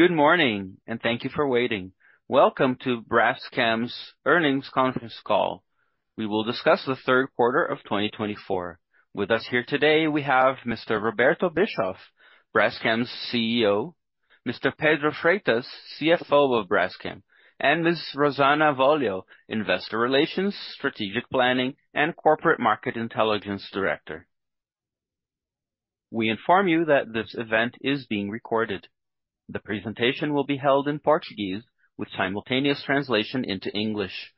Good morning, and thank you for waiting. Welcome to Braskem's earnings conference call. We will discuss the third quarter of 2024. With us here today, we have Mr. Roberto Bischoff, Braskem's CEO, Mr. Pedro Freitas, CFO of Braskem, and Ms. Rosana Avolio, Investor Relations, Strategic Planning, and Corporate Market Intelligence Director. We inform you that this event is being recorded. The presentation will be held in Portuguese with simultaneous translation into English.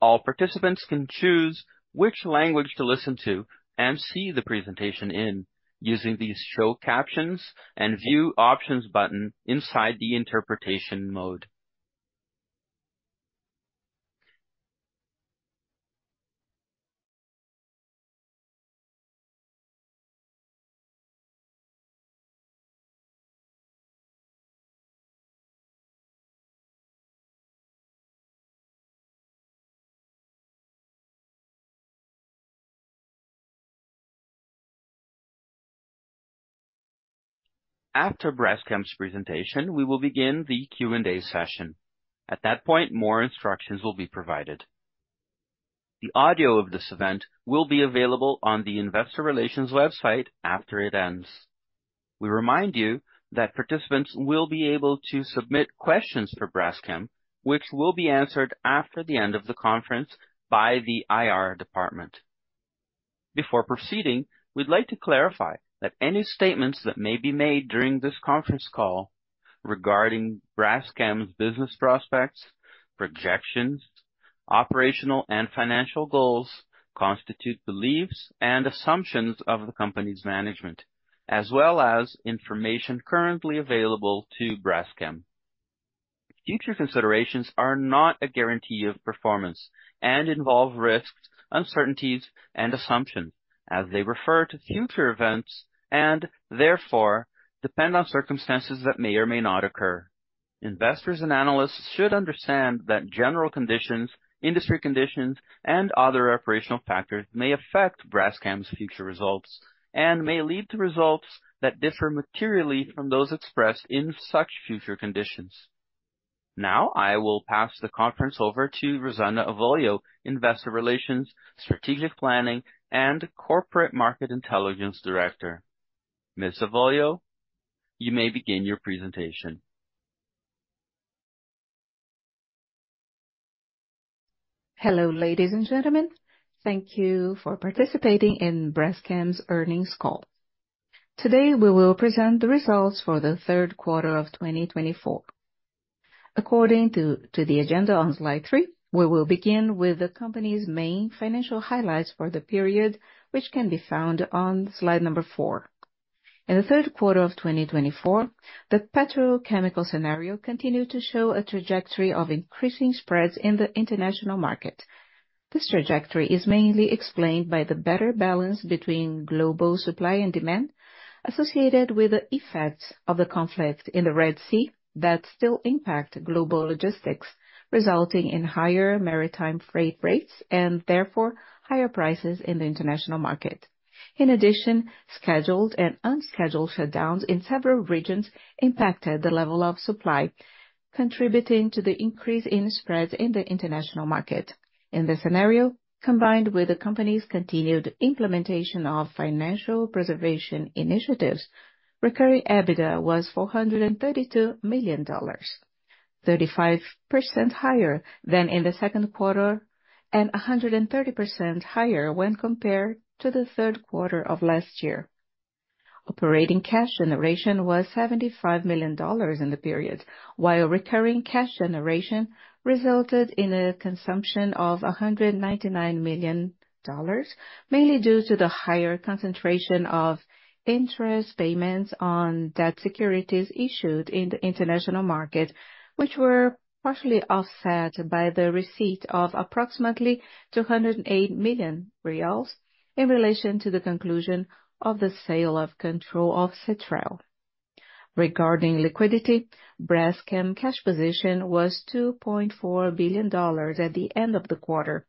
All participants can choose which language to listen to and see the presentation in using the show captions and view options button inside the interpretation mode. After Braskem's presentation, we will begin the Q&A session. At that point, more instructions will be provided. The audio of this event will be available on the Investor Relations website after it ends. We remind you that participants will be able to submit questions for Braskem, which will be answered after the end of the conference by the IR department. Before proceeding, we'd like to clarify that any statements that may be made during this conference call regarding Braskem's business prospects, projections, operational and financial goals constitute beliefs and assumptions of the company's management, as well as information currently available to Braskem. Future considerations are not a guarantee of performance and involve risks, uncertainties, and assumptions, as they refer to future events and, therefore, depend on circumstances that may or may not occur. Investors and analysts should understand that general conditions, industry conditions, and other operational factors may affect Braskem's future results and may lead to results that differ materially from those expressed in such future conditions. Now, I will pass the conference over to Rosana Avolio, Investor Relations, Strategic Planning, and Corporate Market Intelligence Director. Ms. Avolio, you may begin your presentation. Hello, ladies and gentlemen. Thank you for participating in Braskem's earnings call. Today, we will present the results for the third quarter of 2024. According to the agenda on slide three, we will begin with the company's main financial highlights for the period, which can be found on slide number four. In the third quarter of 2024, the petrochemical scenario continued to show a trajectory of increasing spreads in the international market. This trajectory is mainly explained by the better balance between global supply and demand associated with the effects of the conflict in the Red Sea that still impact global logistics, resulting in higher maritime freight rates and, therefore, higher prices in the international market. In addition, scheduled and unscheduled shutdowns in several regions impacted the level of supply, contributing to the increase in spreads in the international market. In this scenario, combined with the company's continued implementation of financial preservation initiatives, recurring EBITDA was $432 million, 35% higher than in the second quarter and 130% higher when compared to the third quarter of last year. Operating cash generation was $75 million in the period, while recurring cash generation resulted in a consumption of $199 million, mainly due to the higher concentration of interest payments on debt securities issued in the international market, which were partially offset by the receipt of approximately 208 million reais in relation to the conclusion of the sale of control of Cetrel. Regarding liquidity, Braskem's cash position was $2.4 billion at the end of the quarter,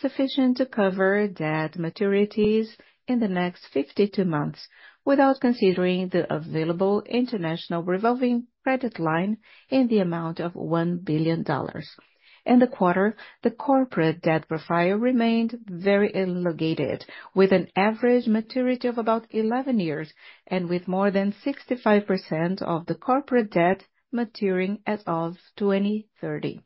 sufficient to cover debt maturities in the next 52 months without considering the available international revolving credit line in the amount of $1 billion. In the quarter, the corporate debt profile remained very elongated, with an average maturity of about 11 years and with more than 65% of the corporate debt maturing as of 2030.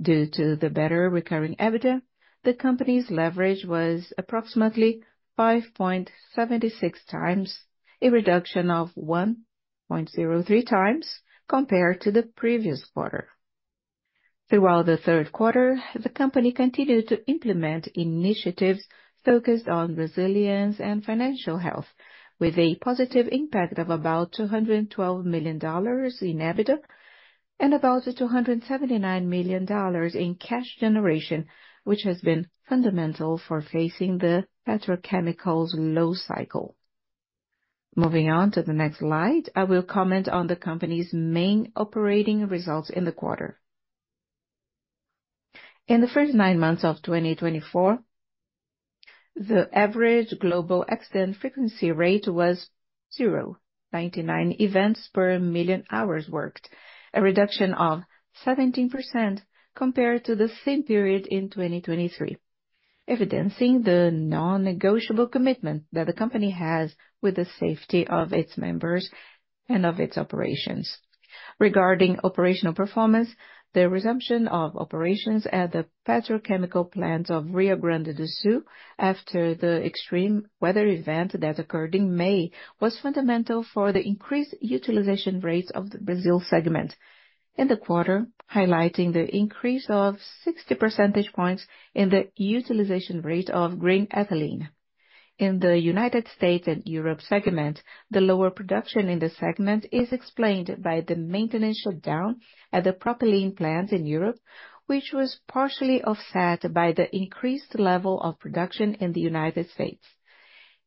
Due to the better recurring EBITDA, the company's leverage was approximately 5.76 times, a reduction of 1.03 times compared to the previous quarter. Throughout the third quarter, the company continued to implement initiatives focused on resilience and financial health, with a positive impact of about $212 million in EBITDA and about $279 million in cash generation, which has been fundamental for facing the petrochemicals' low cycle. Moving on to the next slide, I will comment on the company's main operating results in the quarter. In the first nine months of 2024, the average global accident frequency rate was 0.99 events per million hours worked, a reduction of 17% compared to the same period in 2023, evidencing the non-negotiable commitment that the company has with the safety of its members and of its operations. Regarding operational performance, the resumption of operations at the petrochemical plant of Rio Grande do Sul after the extreme weather event that occurred in May was fundamental for the increased utilization rates of the Brazil segment in the quarter, highlighting the increase of 60 percentage points in the utilization rate of green ethylene. In the United States and Europe segment, the lower production in the segment is explained by the maintenance shutdown at the propylene plant in Europe, which was partially offset by the increased level of production in the United States.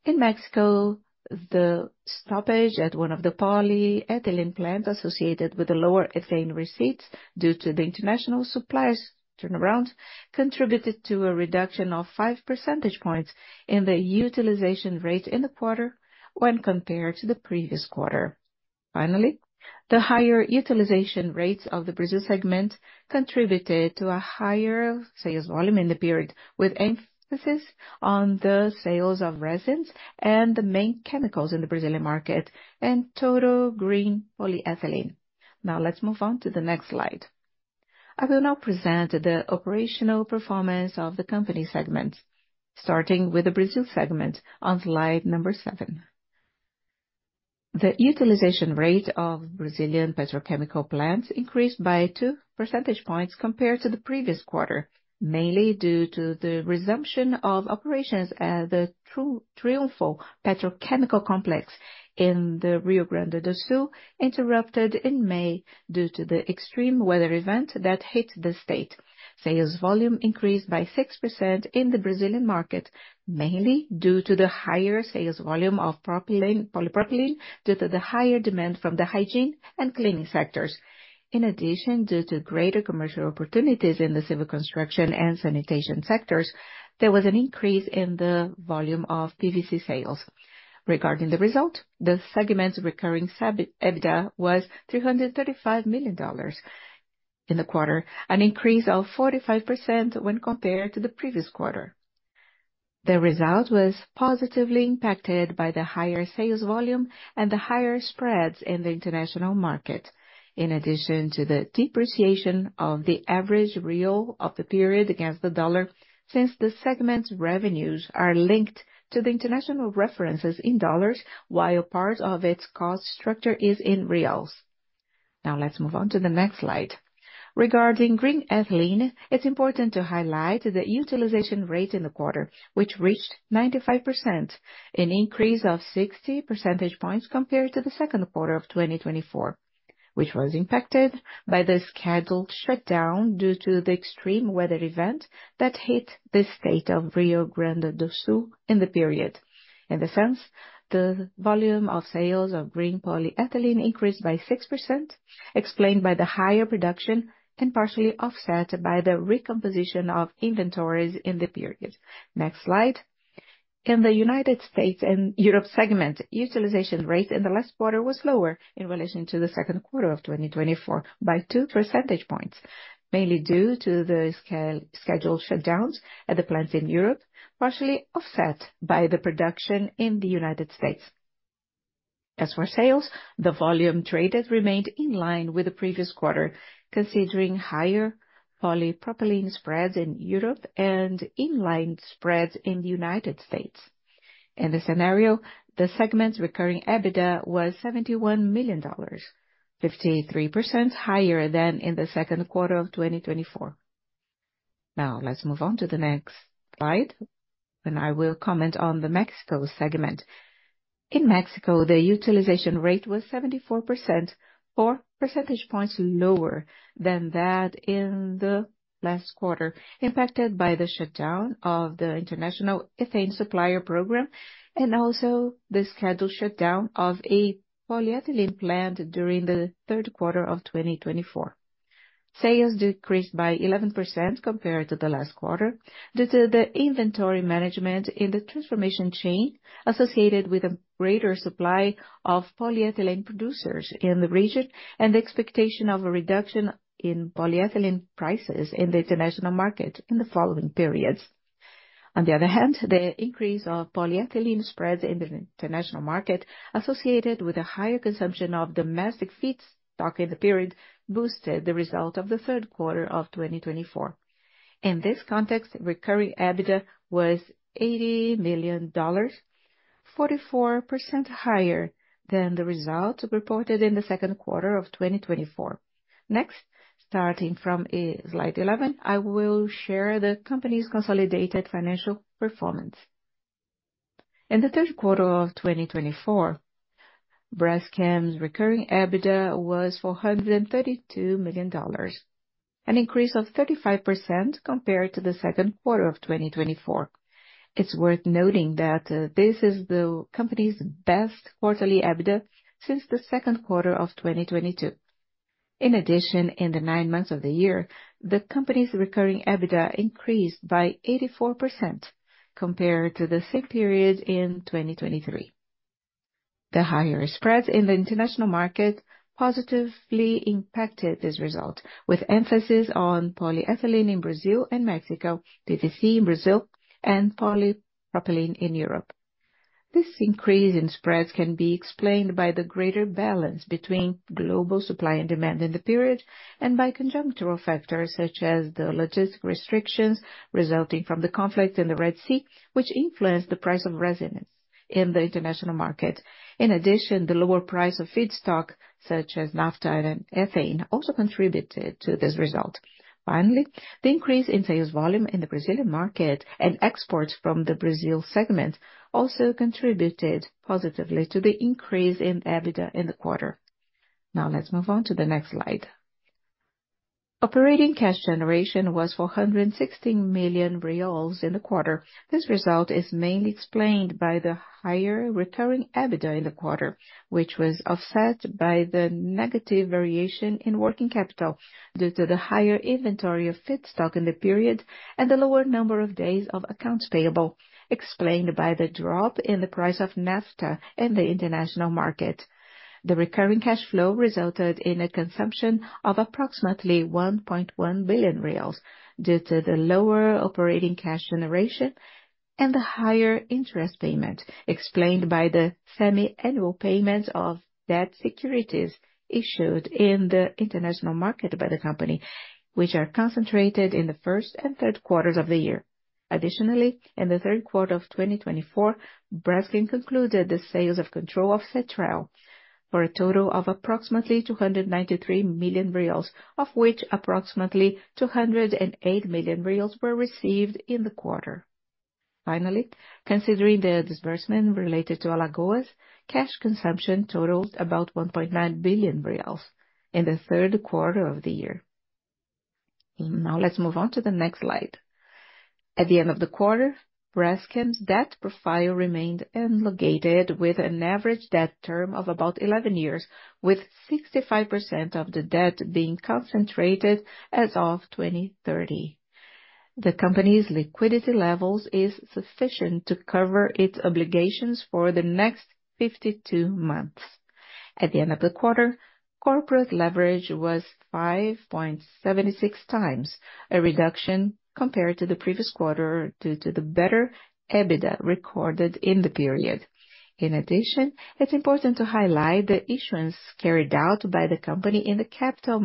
In Mexico, the stoppage at one of the polyethylene plants associated with the lower ethane receipts due to the international supplier's turnaround contributed to a reduction of 5 percentage points in the utilization rate in the quarter when compared to the previous quarter. Finally, the higher utilization rates of the Brazil segment contributed to a higher sales volume in the period, with emphasis on the sales of resins and the main chemicals in the Brazilian market and total green polyethylene. Now, let's move on to the next slide. I will now present the operational performance of the company segment, starting with the Brazil segment on slide number seven. The utilization rate of Brazilian petrochemical plants increased by two percentage points compared to the previous quarter, mainly due to the resumption of operations at the Triunfo Petrochemical Complex in the Rio Grande do Sul, interrupted in May due to the extreme weather event that hit the state. Sales volume increased by 6% in the Brazilian market, mainly due to the higher sales volume of polypropylene due to the higher demand from the hygiene and cleaning sectors. In addition, due to greater commercial opportunities in the civil construction and sanitation sectors, there was an increase in the volume of PVC sales. Regarding the result, the segment's recurring EBITDA was $335 million in the quarter, an increase of 45% when compared to the previous quarter. The result was positively impacted by the higher sales volume and the higher spreads in the international market, in addition to the depreciation of the average real of the period against the dollar since the segment's revenues are linked to the international references in dollars, while part of its cost structure is in reals. Now, let's move on to the next slide. Regarding green ethylene, it's important to highlight the utilization rate in the quarter, which reached 95%, an increase of 60 percentage points compared to the second quarter of 2024, which was impacted by the scheduled shutdown due to the extreme weather event that hit the state of Rio Grande do Sul in the period. In essence, the volume of sales of green polyethylene increased by 6%, explained by the higher production and partially offset by the recomposition of inventories in the period. Next slide. In the United States and Europe segment, utilization rate in the last quarter was lower in relation to the second quarter of 2024 by two percentage points, mainly due to the scheduled shutdowns at the plants in Europe, partially offset by the production in the United States. As for sales, the volume traded remained in line with the previous quarter, considering higher polypropylene spreads in Europe and in-line spreads in the United States. In this scenario, the segment's recurring EBITDA was $71 million, 53% higher than in the second quarter of 2024. Now, let's move on to the next slide, and I will comment on the Mexico segment. In Mexico, the utilization rate was 74%, four percentage points lower than that in the last quarter, impacted by the shutdown of the international ethane supplier program and also the scheduled shutdown of a polyethylene plant during the third quarter of 2024. Sales decreased by 11% compared to the last quarter due to the inventory management in the transformation chain associated with a greater supply of polyethylene producers in the region and the expectation of a reduction in polyethylene prices in the international market in the following periods. On the other hand, the increase of polyethylene spreads in the international market associated with a higher consumption of domestic feedstock in the period boosted the result of the third quarter of 2024. In this context, recurring EBITDA was $80 million, 44% higher than the result reported in the second quarter of 2024. Next, starting from slide 11, I will share the company's consolidated financial performance. In the third quarter of 2024, Braskem's recurring EBITDA was $432 million, an increase of 35% compared to the second quarter of 2024. It's worth noting that this is the company's best quarterly EBITDA since the second quarter of 2022. In addition, in the nine months of the year, the company's recurring EBITDA increased by 84% compared to the same period in 2023. The higher spreads in the international market positively impacted this result, with emphasis on polyethylene in Brazil and Mexico, PVC in Brazil, and polypropylene in Europe. This increase in spreads can be explained by the greater balance between global supply and demand in the period and by conjunctural factors such as the logistic restrictions resulting from the conflict in the Red Sea, which influenced the price of resins in the international market. In addition, the lower price of feedstock such as naphtha and ethane also contributed to this result. Finally, the increase in sales volume in the Brazilian market and exports from the Brazil segment also contributed positively to the increase in EBITDA in the quarter. Now, let's move on to the next slide. Operating cash generation was $416 million in the quarter. This result is mainly explained by the higher recurring EBITDA in the quarter, which was offset by the negative variation in working capital due to the higher inventory of feedstock in the period and the lower number of days of accounts payable, explained by the drop in the price of naphtha in the international market. The recurring cash flow resulted in a consumption of approximately BRL 1.1 billion due to the lower operating cash generation and the higher interest payment, explained by the semi-annual payment of debt securities issued in the international market by the company, which are concentrated in the first and third quarters of the year. Additionally, in the third quarter of 2024, Braskem concluded the sales of control of Cetrel for a total of approximately 293 million reais, of which approximately 208 million reais were received in the quarter. Finally, considering the disbursement related to Alagoas, cash consumption totaled about BRL 1.9 billion in the third quarter of the year. Now, let's move on to the next slide. At the end of the quarter, Braskem's debt profile remained elongated with an average debt term of about 11 years, with 65% of the debt being concentrated as of 2030. The company's liquidity levels are sufficient to cover its obligations for the next 52 months. At the end of the quarter, corporate leverage was 5.76 times, a reduction compared to the previous quarter due to the better EBITDA recorded in the period. In addition, it's important to highlight the issuance carried out by the company in the capital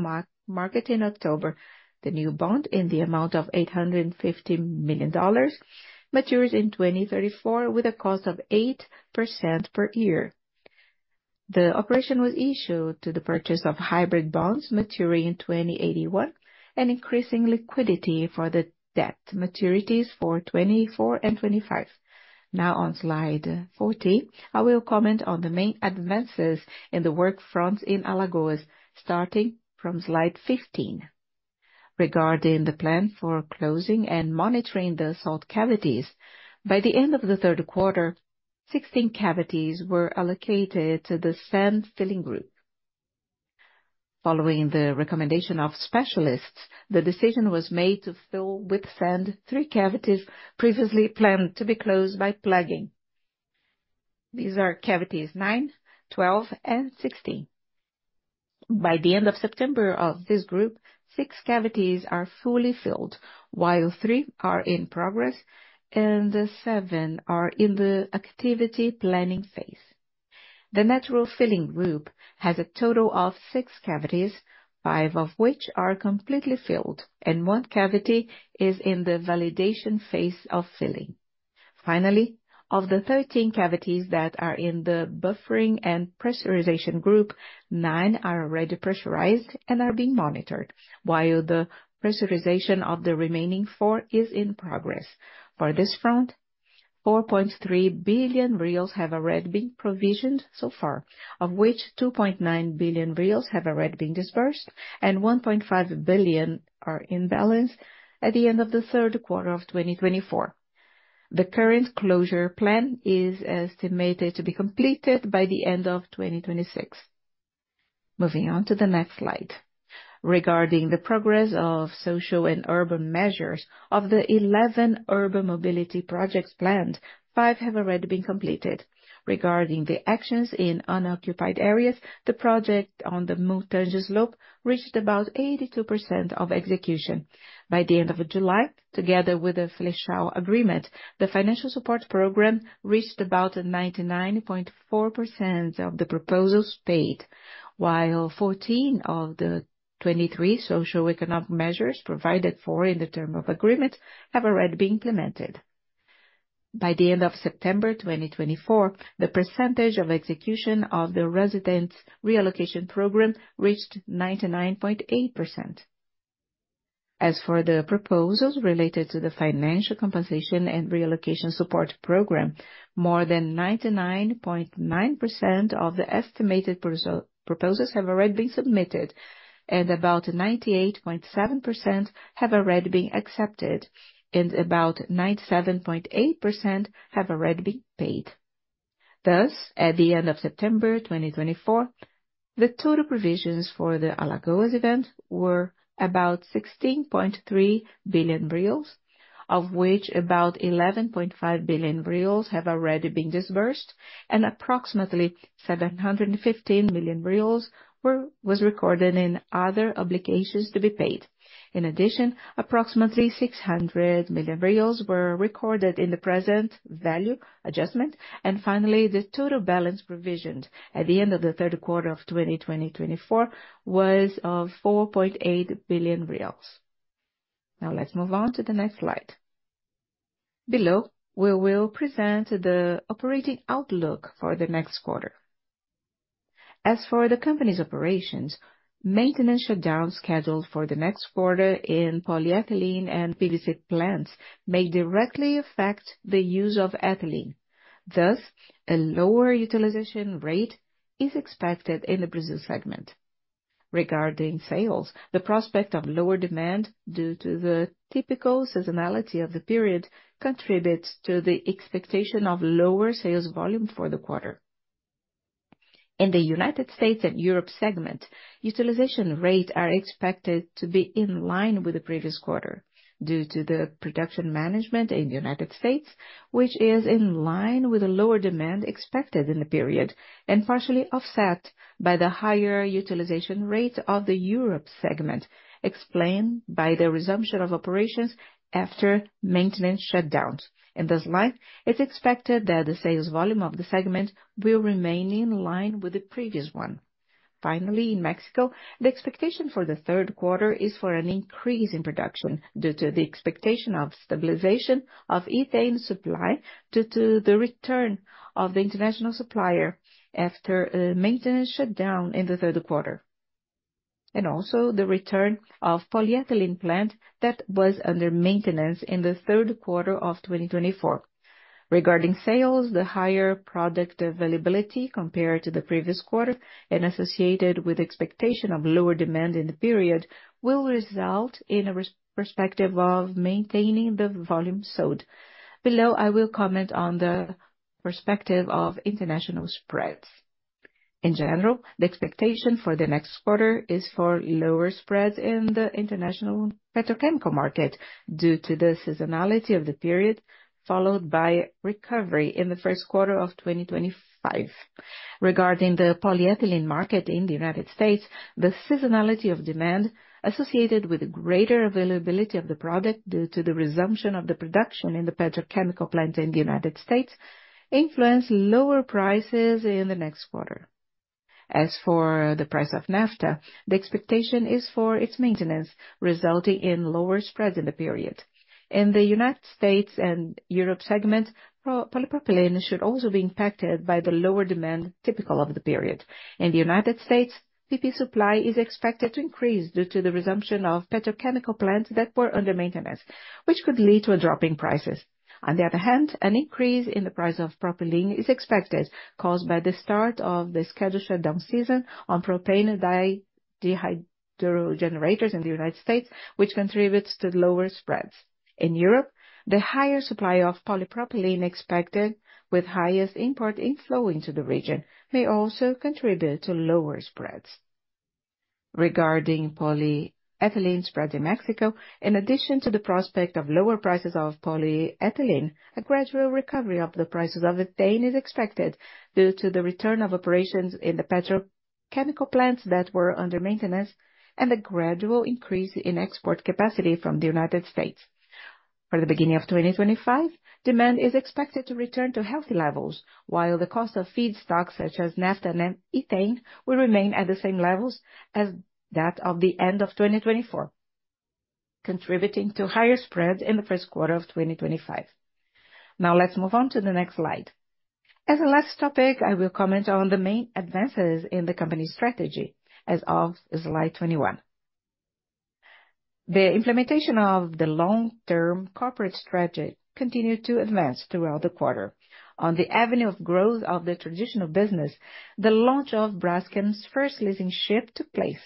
market in October. The new bond, in the amount of $850 million, matures in 2034 with a cost of 8% per year. The operation was issued to the purchase of hybrid bonds maturing in 2081 and increasing liquidity for the debt maturities for 2024 and 2025. Now, on slide 40, I will comment on the main advances in the work fronts in Alagoas, starting from slide 15. Regarding the plan for closing and monitoring the salt cavities, by the end of the third quarter, 16 cavities were allocated to the sand filling group. Following the recommendation of specialists, the decision was made to fill with sand three cavities previously planned to be closed by plugging. These are cavities 9, 12, and 16. By the end of September of this group, six cavities are fully filled, while three are in progress and seven are in the activity planning phase. The natural filling group has a total of six cavities, five of which are completely filled, and one cavity is in the validation phase of filling. Finally, of the 13 cavities that are in the buffering and pressurization group, nine are already pressurized and are being monitored, while the pressurization of the remaining four is in progress. For this front, 4.3 billion reais have already been provisioned so far, of which 2.9 billion reais have already been dispersed and 1.5 billion are in balance at the end of the third quarter of 2024. The current closure plan is estimated to be completed by the end of 2026. Moving on to the next slide. Regarding the progress of social and urban measures of the 11 urban mobility projects planned, five have already been completed. Regarding the actions in unoccupied areas, the project on the Mutange Slope reached about 82% of execution. By the end of July, together with the Flexal agreement, the financial support program reached about 99.4% of the proposals paid, while 14 of the 23 socio-economic measures provided for in the term of agreement have already been implemented. By the end of September 2024, the percentage of execution of the residents' reallocation program reached 99.8%. As for the proposals related to the financial compensation and reallocation support program, more than 99.9% of the estimated proposals have already been submitted and about 98.7% have already been accepted, and about 97.8% have already been paid. Thus, at the end of September 2024, the total provisions for the Alagoas event were about 16.3 billion reais, of which about 11.5 billion reais have already been disbursed, and approximately 715 million reais were recorded in other obligations to be paid. In addition, approximately 600 million reais were recorded in the present value adjustment, and finally, the total balance provisioned at the end of the third quarter of 2024 was 4.8 billion reais. Now, let's move on to the next slide. Below, we will present the operating outlook for the next quarter. As for the company's operations, maintenance shutdowns scheduled for the next quarter in polyethylene and PVC plants may directly affect the use of ethylene. Thus, a lower utilization rate is expected in the Brazil segment. Regarding sales, the prospect of lower demand due to the typical seasonality of the period contributes to the expectation of lower sales volume for the quarter. In the United States and Europe segment, utilization rates are expected to be in line with the previous quarter due to the production management in the United States, which is in line with the lower demand expected in the period and partially offset by the higher utilization rate of the Europe segment explained by the resumption of operations after maintenance shutdowns. In this line, it's expected that the sales volume of the segment will remain in line with the previous one. Finally, in Mexico, the expectation for the third quarter is for an increase in production due to the expectation of stabilization of ethane supply due to the return of the international supplier after a maintenance shutdown in the third quarter, and also the return of the polyethylene plant that was under maintenance in the third quarter of 2024. Regarding sales, the higher product availability compared to the previous quarter and associated with the expectation of lower demand in the period will result in a perspective of maintaining the volume sold. Below, I will comment on the perspective of international spreads. In general, the expectation for the next quarter is for lower spreads in the international petrochemical market due to the seasonality of the period, followed by recovery in the first quarter of 2025. Regarding the polyethylene market in the United States, the seasonality of demand associated with the greater availability of the product due to the resumption of the production in the petrochemical plant in the United States influences lower prices in the next quarter. As for the price of naphtha, the expectation is for its maintenance, resulting in lower spreads in the period. In the United States and Europe segment, polypropylene should also be impacted by the lower demand typical of the period. In the United States, PP supply is expected to increase due to the resumption of petrochemical plants that were under maintenance, which could lead to a drop in prices. On the other hand, an increase in the price of propylene is expected caused by the start of the scheduled shutdown season on propane dehydrogenators in the United States, which contributes to lower spreads. In Europe, the higher supply of polypropylene expected with highest import inflow into the region may also contribute to lower spreads. Regarding polyethylene spreads in Mexico, in addition to the prospect of lower prices of polyethylene, a gradual recovery of the prices of ethane is expected due to the return of operations in the petrochemical plants that were under maintenance and a gradual increase in export capacity from the United States. For the beginning of 2025, demand is expected to return to healthy levels, while the cost of feedstocks such as naphtha and ethane will remain at the same levels as that of the end of 2024, contributing to higher spreads in the first quarter of 2025. Now, let's move on to the next slide. As a last topic, I will comment on the main advances in the company's strategy as of slide 21. The implementation of the long-term corporate strategy continued to advance throughout the quarter. On the avenue of growth of the traditional business, the launch of Braskem's first leasing ship took place.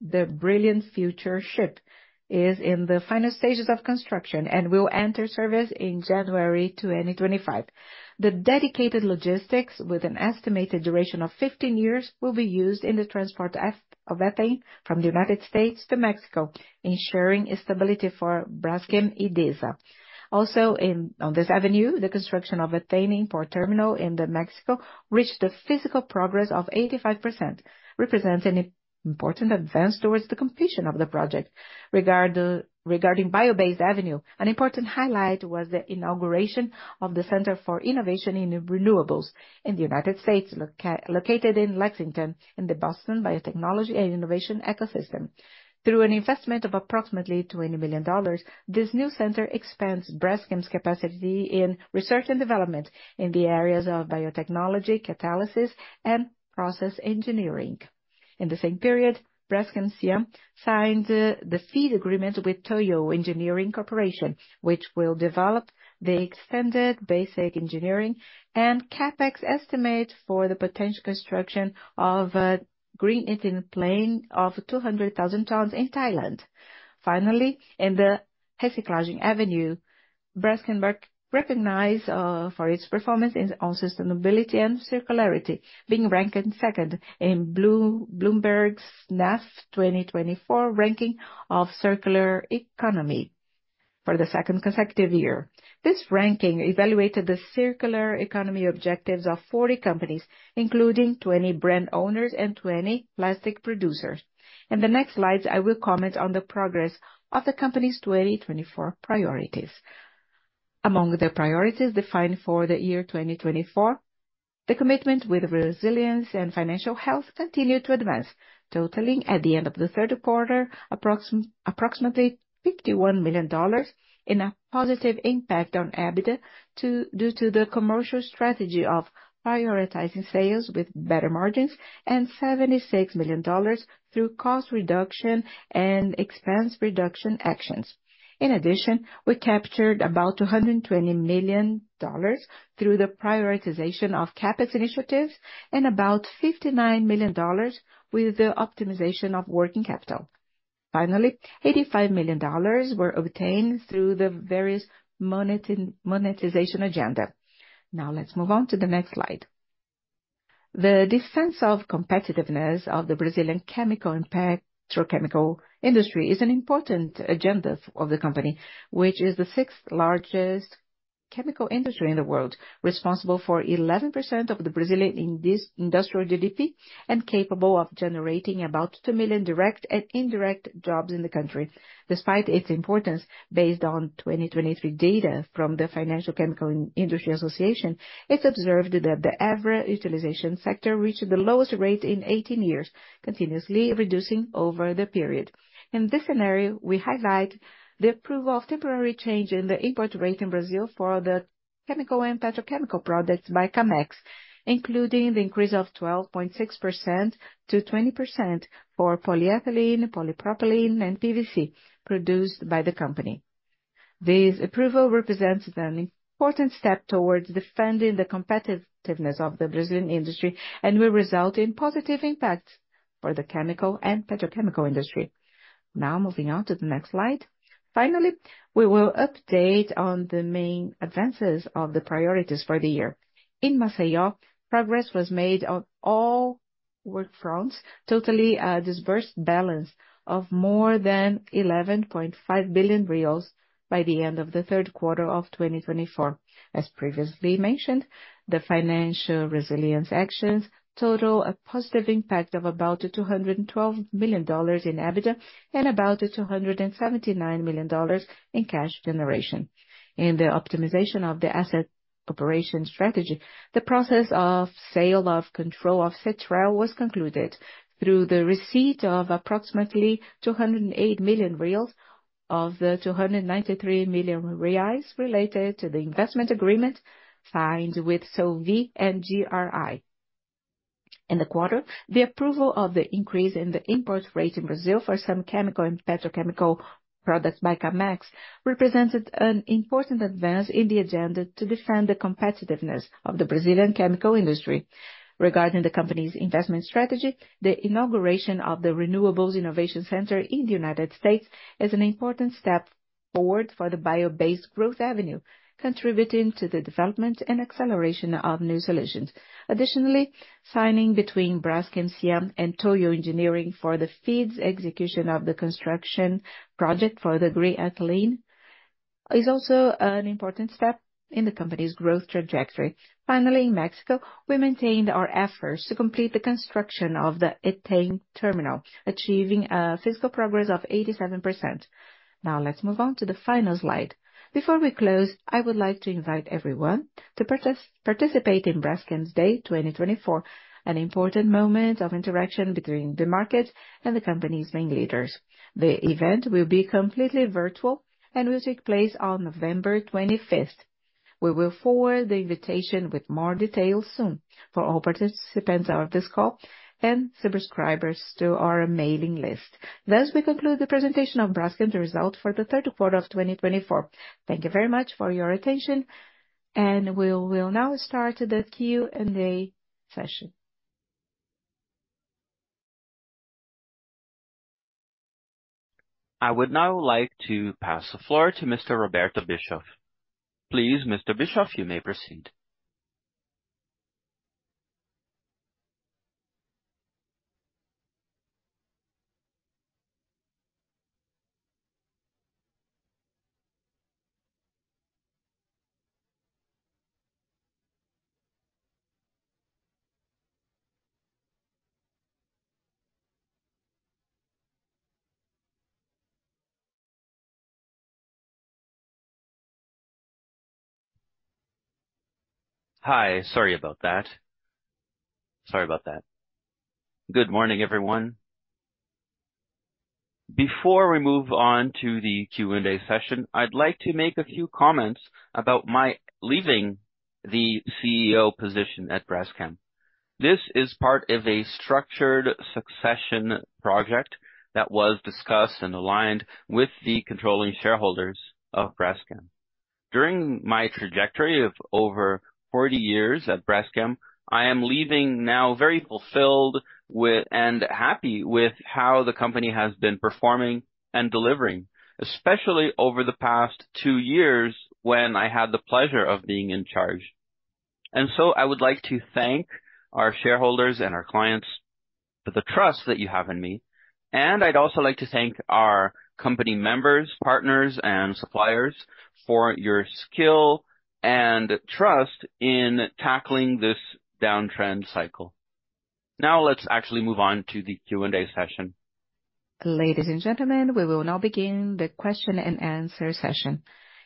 The Brilliant Future ship is in the final stages of construction and will enter service in January 2025. The dedicated logistics, with an estimated duration of 15 years, will be used in the transport of ethane from the United States to Mexico, ensuring stability for Braskem Idesa. Also, on this avenue, the construction of the ethane import terminal in Mexico reached a physical progress of 85%, representing an important advance towards the completion of the project. Regarding Biobase Avenue, an important highlight was the inauguration of the Center for Innovation in Renewables in the United States, located in Lexington in the Boston Biotechnology and Innovation Ecosystem. Through an investment of approximately $20 million, this new center expands Braskem's capacity in research and development in the areas of biotechnology, catalysis, and process engineering. In the same period, Braskem Siam signed the FEED agreement with Toyo Engineering Corporation, which will develop the extended basic engineering and CAPEX estimate for the potential construction of a green ethylene plant of 200,000 tons in Thailand. Finally, in the Recycling Avenue, Braskem recognized for its performance in sustainability and circularity, being ranked second in BloombergNEF 2024 ranking of circular economy for the second consecutive year. This ranking evaluated the circular economy objectives of 40 companies, including 20 brand owners and 20 plastic producers. In the next slides, I will comment on the progress of the company's 2024 priorities. Among the priorities defined for the year 2024, the commitment with resilience and financial health continued to advance, totaling at the end of the third quarter approximately $51 million in a positive impact on EBITDA due to the commercial strategy of prioritizing sales with better margins and $76 million through cost reduction and expense reduction actions. In addition, we captured about $220 million through the prioritization of CAPEX initiatives and about $59 million with the optimization of working capital. Finally, $85 million were obtained through the various monetization agenda. Now, let's move on to the next slide. The defense of competitiveness of the Brazilian chemical industry is an important agenda of the company, which is the sixth largest chemical industry in the world, responsible for 11% of the Brazilian industrial GDP and capable of generating about two million direct and indirect jobs in the country. Despite its importance, based on 2023 data from the Brazilian Chemical Industry Association, it's observed that the average utilization sector reached the lowest rate in 18 years, continuously reducing over the period. In this scenario, we highlight the approval of temporary change in the import rate in Brazil for the chemical and petrochemical products by CAMEX, including the increase of 12.6% to 20% for polyethylene, polypropylene, and PVC produced by the company. This approval represents an important step towards defending the competitiveness of the Brazilian industry and will result in positive impacts for the chemical and petrochemical industry. Now, moving on to the next slide. Finally, we will update on the main advances of the priorities for the year. In Maceió, progress was made on all work fronts, totaling a disbursed balance of more than 11.5 billion reais by the end of the third quarter of 2024. As previously mentioned, the financial resilience actions total a positive impact of about $212 million in EBITDA and about $279 million in cash generation. In the optimization of the asset operation strategy, the process of sale of control of Cetrel was concluded through the receipt of approximately 208 million reais of the 293 million reais related to the investment agreement signed with Solvay and GRI. In the quarter, the approval of the increase in the import rate in Brazil for some chemical and petrochemical products by CAMEX represented an important advance in the agenda to defend the competitiveness of the Brazilian chemical industry. Regarding the company's investment strategy, the inauguration of the Renewable Innovation Center in the United States is an important step forward for the Biobase Growth Avenue, contributing to the development and acceleration of new solutions. Additionally, signing between Braskem Siam and Toyo Engineering for the FEED's execution of the construction project for the green ethane is also an important step in the company's growth trajectory. Finally, in Mexico, we maintained our efforts to complete the construction of the ethane terminal, achieving a physical progress of 87%. Now, let's move on to the final slide. Before we close, I would like to invite everyone to participate in Braskem Day 2024, an important moment of interaction between the markets and the company's main leaders. The event will be completely virtual and will take place on November 25th. We will forward the invitation with more details soon for all participants of this call and subscribers to our mailing list. Thus, we conclude the presentation of Braskem's result for the third quarter of 2024. Thank you very much for your attention, and we will now start the Q&A session. I would now like to pass the floor to Mr. Roberto Bischoff. Please, Mr. Bischoff, you may proceed. Hi, sorry about that. Sorry about that. Good morning, everyone. Before we move on to the Q&A session, I'd like to make a few comments about my leaving the CEO position at Braskem. This is part of a structured succession project that was discussed and aligned with the controlling shareholders of Braskem. During my trajectory of over 40 years at Braskem, I am leaving now very fulfilled and happy with how the company has been performing and delivering, especially over the past two years when I had the pleasure of being in charge. And so, I would like to thank our shareholders and our clients for the trust that you have in me. I'd also like to thank our company members, partners, and suppliers for your skill and trust in tackling this downtrend cycle. Now, let's actually move on to the Q&A session. Ladies and gentlemen, we will now begin the question and answer session.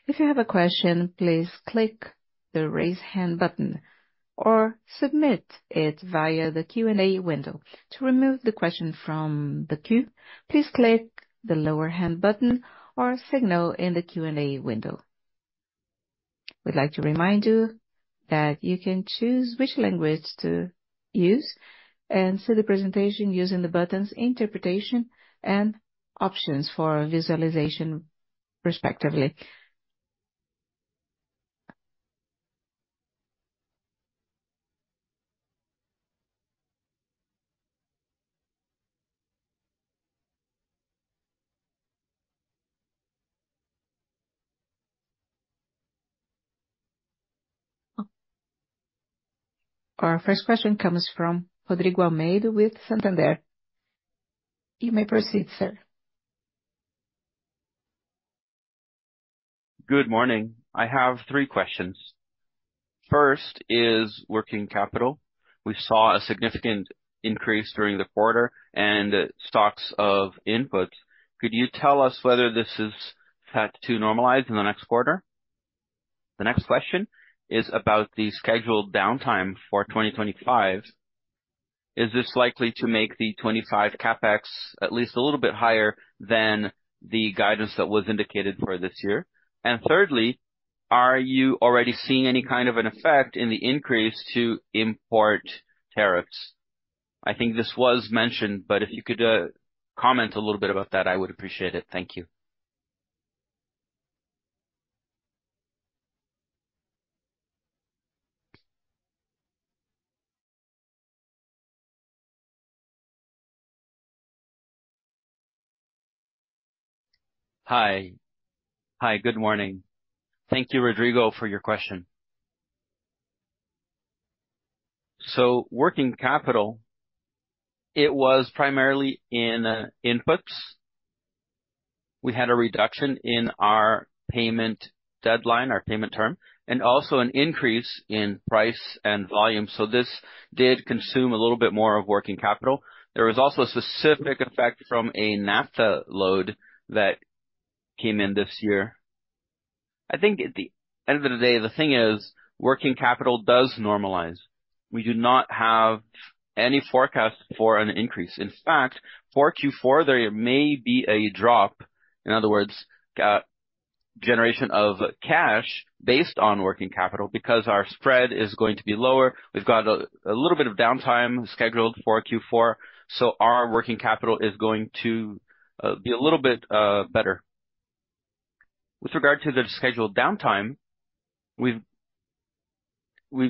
If you have a question, please click the raise hand button or submit it via the Q&A window. To remove the question from the queue, please click the lower hand button or signal in the Q&A window. We'd like to remind you that you can choose which language to use and see the presentation using the buttons, interpretation, and options for visualization, respectively. Our first question comes from Rodrigo Almeida with Santander. You may proceed, sir. Good morning. I have three questions. First is working capital. We saw a significant increase during the quarter and stocks of inputs. Could you tell us whether this is set to normalize in the next quarter? The next question is about the scheduled downtime for 2025. Is this likely to make the 2025 CapEx at least a little bit higher than the guidance that was indicated for this year? And thirdly, are you already seeing any kind of an effect in the increase to import tariffs? I think this was mentioned, but if you could comment a little bit about that, I would appreciate it. Thank you. Hi. Hi, good morning. Thank you, Rodrigo, for your question. So working capital, it was primarily in inputs. We had a reduction in our payment deadline, our payment term, and also an increase in price and volume. So this did consume a little bit more of working capital. There was also a specific effect from a naphtha load that came in this year. I think at the end of the day, the thing is working capital does normalize. We do not have any forecast for an increase. In fact, for Q4, there may be a drop, in other words, generation of cash based on working capital because our spread is going to be lower. We've got a little bit of downtime scheduled for Q4, so our working capital is going to be a little bit better. With regard to the scheduled downtime, we've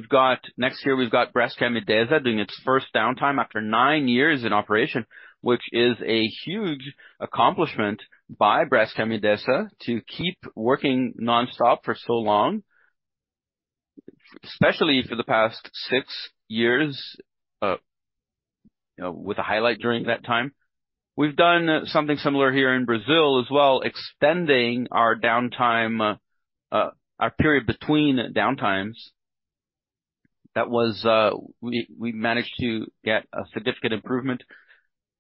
got next year, we've got Braskem Idesa doing its first downtime after nine years in operation, which is a huge accomplishment by Braskem Idesa to keep working nonstop for so long, especially for the past six years with a highlight during that time. We've done something similar here in Brazil as well, extending our downtime, our period between downtimes. That was we managed to get a significant improvement.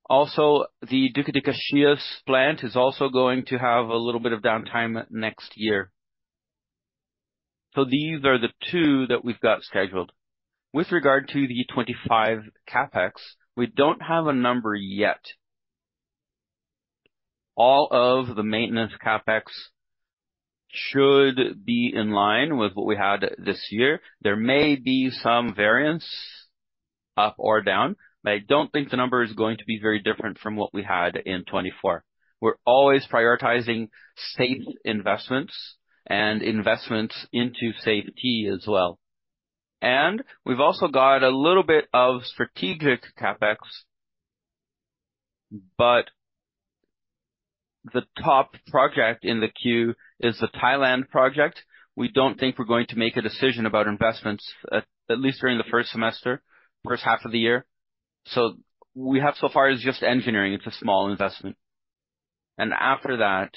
Also, the Duque de Caxias plant is also going to have a little bit of downtime next year. So these are the two that we've got scheduled. With regard to the 2025 CapEx, we don't have a number yet. All of the maintenance CapEx should be in line with what we had this year. There may be some variance up or down, but I don't think the number is going to be very different from what we had in 2024. We're always prioritizing safe investments and investments into safety as well. And we've also got a little bit of strategic CapEx, but the top project in the queue is the Thailand project. We don't think we're going to make a decision about investments, at least during the first semester, first half of the year. So we have so far is just engineering. It's a small investment. After that,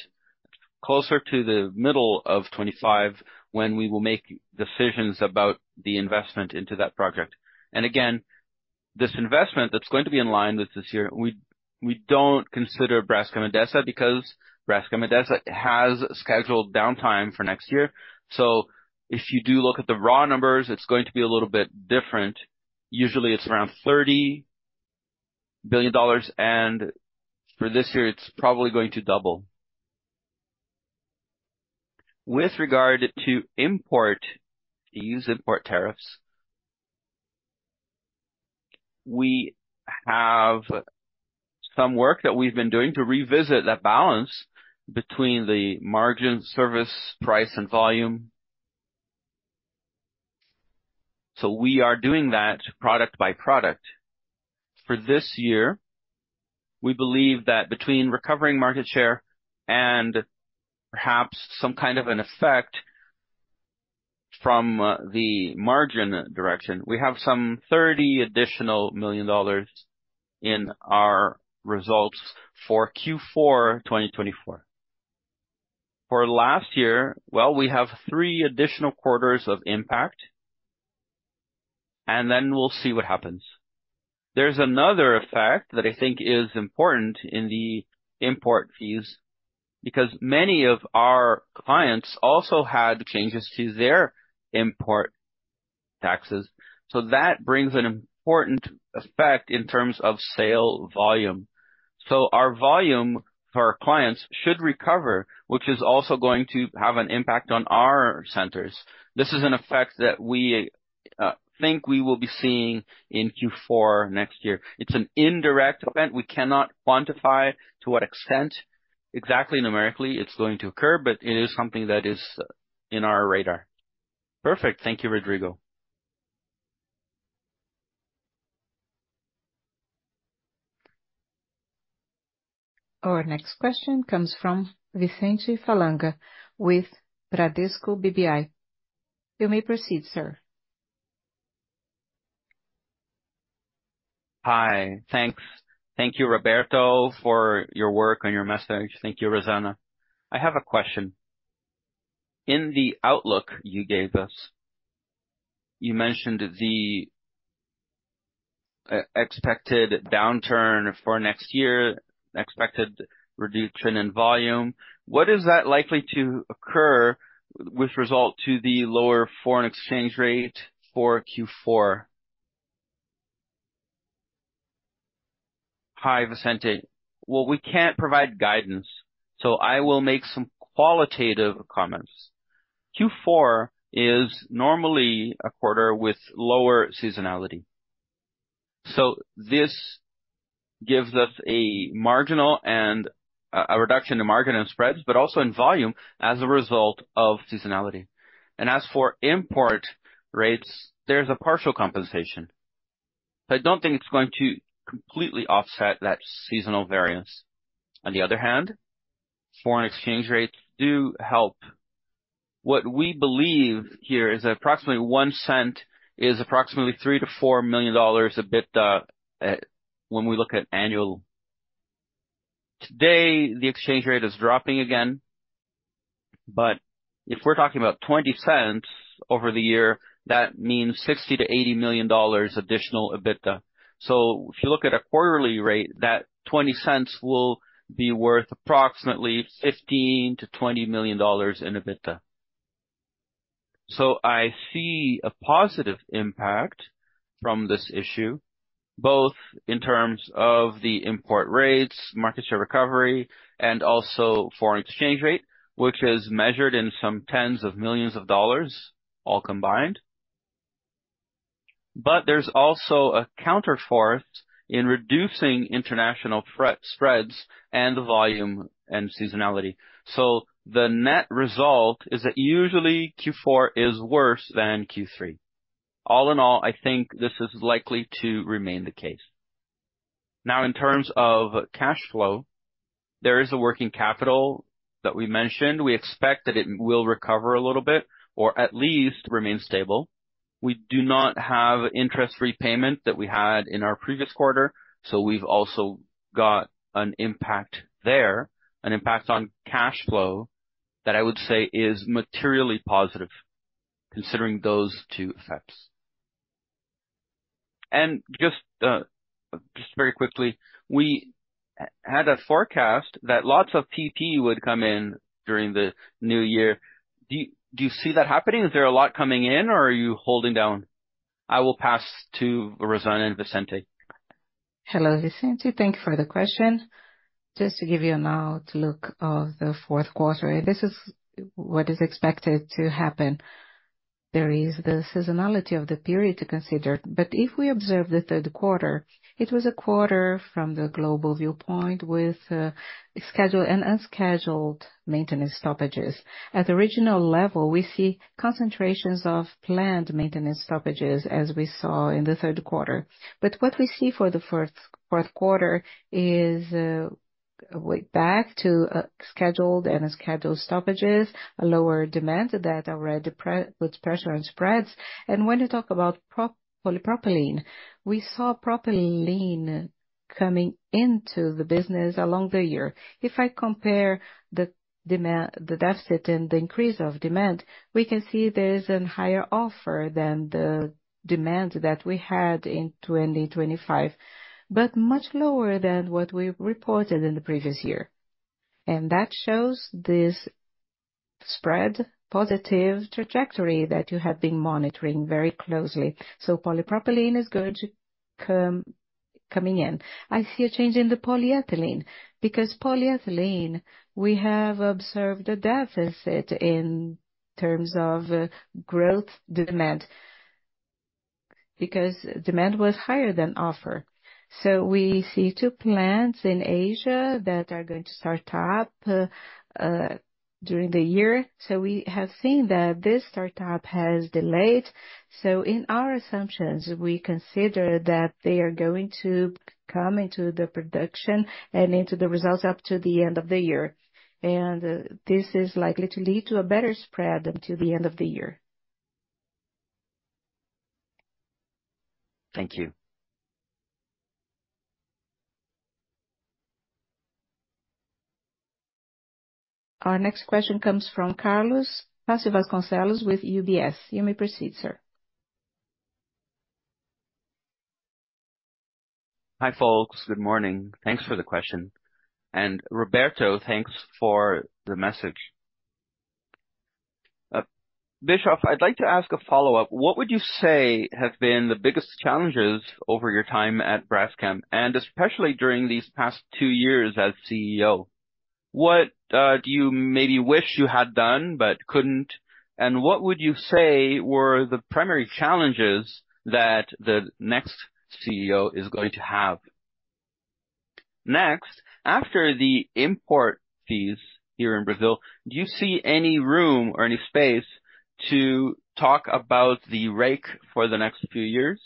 closer to the middle of 2025, when we will make decisions about the investment into that project. And again, this investment that's going to be in line with this year. We don't consider Braskem Idesa because Braskem Idesa has scheduled downtime for next year. So if you do look at the raw numbers, it's going to be a little bit different. Usually, it's around $30 billion, and for this year, it's probably going to double. With regard to import, use import tariffs, we have some work that we've been doing to revisit that balance between the margin service price and volume. So we are doing that product by product. For this year, we believe that between recovering market share and perhaps some kind of an effect from the margin direction, we have some $30 million additional in our results for Q4 2024. For last year, well, we have three additional quarters of impact, and then we'll see what happens. There's another effect that I think is important in the import fees because many of our clients also had changes to their import taxes. So that brings an important effect in terms of sale volume. So our volume for our clients should recover, which is also going to have an impact on our centers. This is an effect that we think we will be seeing in Q4 next year. It's an indirect event. We cannot quantify to what extent exactly numerically it's going to occur, but it is something that is in our radar. Perfect. Thank you, Rodrigo. Our next question comes from Vicente Falanga with Bradesco BBI. You may proceed, sir. Hi. Thanks. Thank you, Roberto, for your work and your message. Thank you, Rosana. I have a question. In the outlook you gave us, you mentioned the expected downturn for next year, expected reduction in volume. What is that likely to occur with respect to the lower foreign exchange rate for Q4? Hi, Vicente. Well, we can't provide guidance, so I will make some qualitative comments. Q4 is normally a quarter with lower seasonality. So this gives us a margin and a reduction in margin and spreads, but also in volume as a result of seasonality. And as for FX rates, there's a partial compensation. So I don't think it's going to completely offset that seasonal variance. On the other hand, foreign exchange rates do help. What we believe here is approximately one cent is approximately $3 million-$4 million EBITDA when we look at annual. Today, the exchange rate is dropping again, but if we're talking about 20 cents over the year, that means $60-$80 million additional EBITDA. So if you look at a quarterly rate, that 20 cents will be worth approximately $15-$20 million in EBITDA. So I see a positive impact from this issue, both in terms of the import rates, market share recovery, and also foreign exchange rate, which is measured in some tens of millions of dollars all combined. But there's also a counterforce in reducing international spreads and volume and seasonality. So the net result is that usually Q4 is worse than Q3. All in all, I think this is likely to remain the case. Now, in terms of cash flow, there is a working capital that we mentioned. We expect that it will recover a little bit or at least remain stable. We do not have interest repayment that we had in our previous quarter, so we've also got an impact there, an impact on cash flow that I would say is materially positive considering those two effects. And just very quickly, we had a forecast that lots of PP would come in during the new year. Do you see that happening? Is there a lot coming in, or are you holding down? I will pass to Rosana and Vicente. Hello, Vicente. Thank you for the question. Just to give you an overview of the fourth quarter, this is what is expected to happen. There is the seasonality of the period to consider, but if we observe the third quarter, it was a quarter from the global viewpoint with scheduled and unscheduled maintenance stoppages. At the regional level, we see concentrations of planned maintenance stoppages as we saw in the third quarter. But what we see for the fourth quarter is way back to scheduled and unscheduled stoppages, a lower demand that already puts pressure on spreads. And when you talk about polypropylene, we saw propylene coming into the business along the year. If I compare the demand, the deficit, and the increase of demand, we can see there is a higher offer than the demand that we had in 2025, but much lower than what we reported in the previous year. And that shows this spread positive trajectory that you have been monitoring very closely. So polypropylene is good coming in. I see a change in the polyethylene because polyethylene, we have observed a deficit in terms of growth demand because demand was higher than offer. So we see two plants in Asia that are going to start up during the year. So we have seen that this startup has delayed. So in our assumptions, we consider that they are going to come into the production and into the results up to the end of the year. And this is likely to lead to a better spread until the end of the year. Thank you. Our next question comes from Tasso Vasconcelos with UBS. You may proceed, sir. Hi folks, good morning. Thanks for the question. And Roberto, thanks for the message. Bischoff, I'd like to ask a follow-up. What would you say have been the biggest challenges over your time at Braskem and especially during these past two years as CEO? What do you maybe wish you had done but couldn't? What would you say were the primary challenges that the next CEO is going to have? Next, after the import fees here in Brazil, do you see any room or any space to talk about the REIQ for the next few years?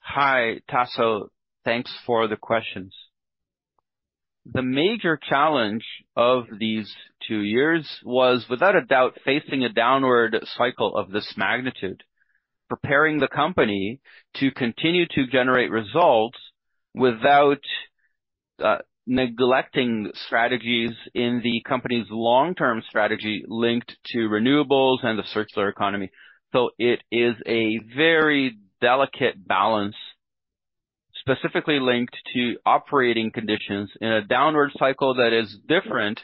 Hi, Tasso. Thanks for the questions. The major challenge of these two years was, without a doubt, facing a downward cycle of this magnitude, preparing the company to continue to generate results without neglecting strategies in the company's long-term strategy linked to renewables and the circular economy. It is a very delicate balance specifically linked to operating conditions in a downward cycle that is different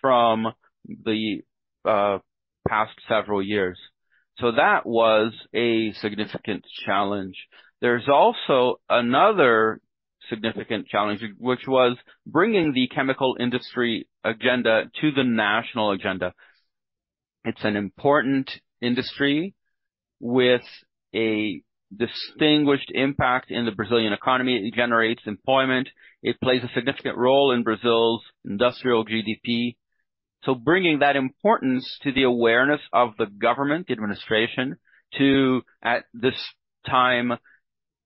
from the past several years. That was a significant challenge. There's also another significant challenge, which was bringing the chemical industry agenda to the national agenda. It's an important industry with a distinguished impact in the Brazilian economy. It generates employment. It plays a significant role in Brazil's industrial GDP. So bringing that importance to the awareness of the government, the administration, to at this time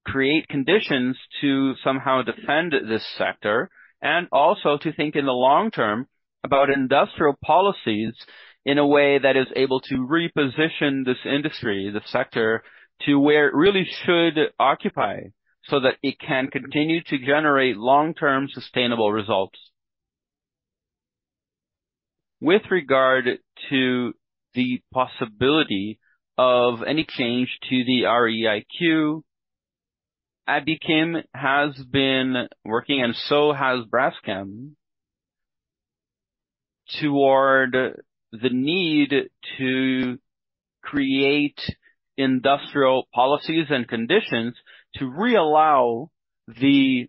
create conditions to somehow defend this sector and also to think in the long term about industrial policies in a way that is able to reposition this industry, the sector, to where it really should occupy so that it can continue to generate long-term sustainable results. With regard to the possibility of any change to the REIQ, Abiquim has been working, and so has Braskem, toward the need to create industrial policies and conditions to reallow the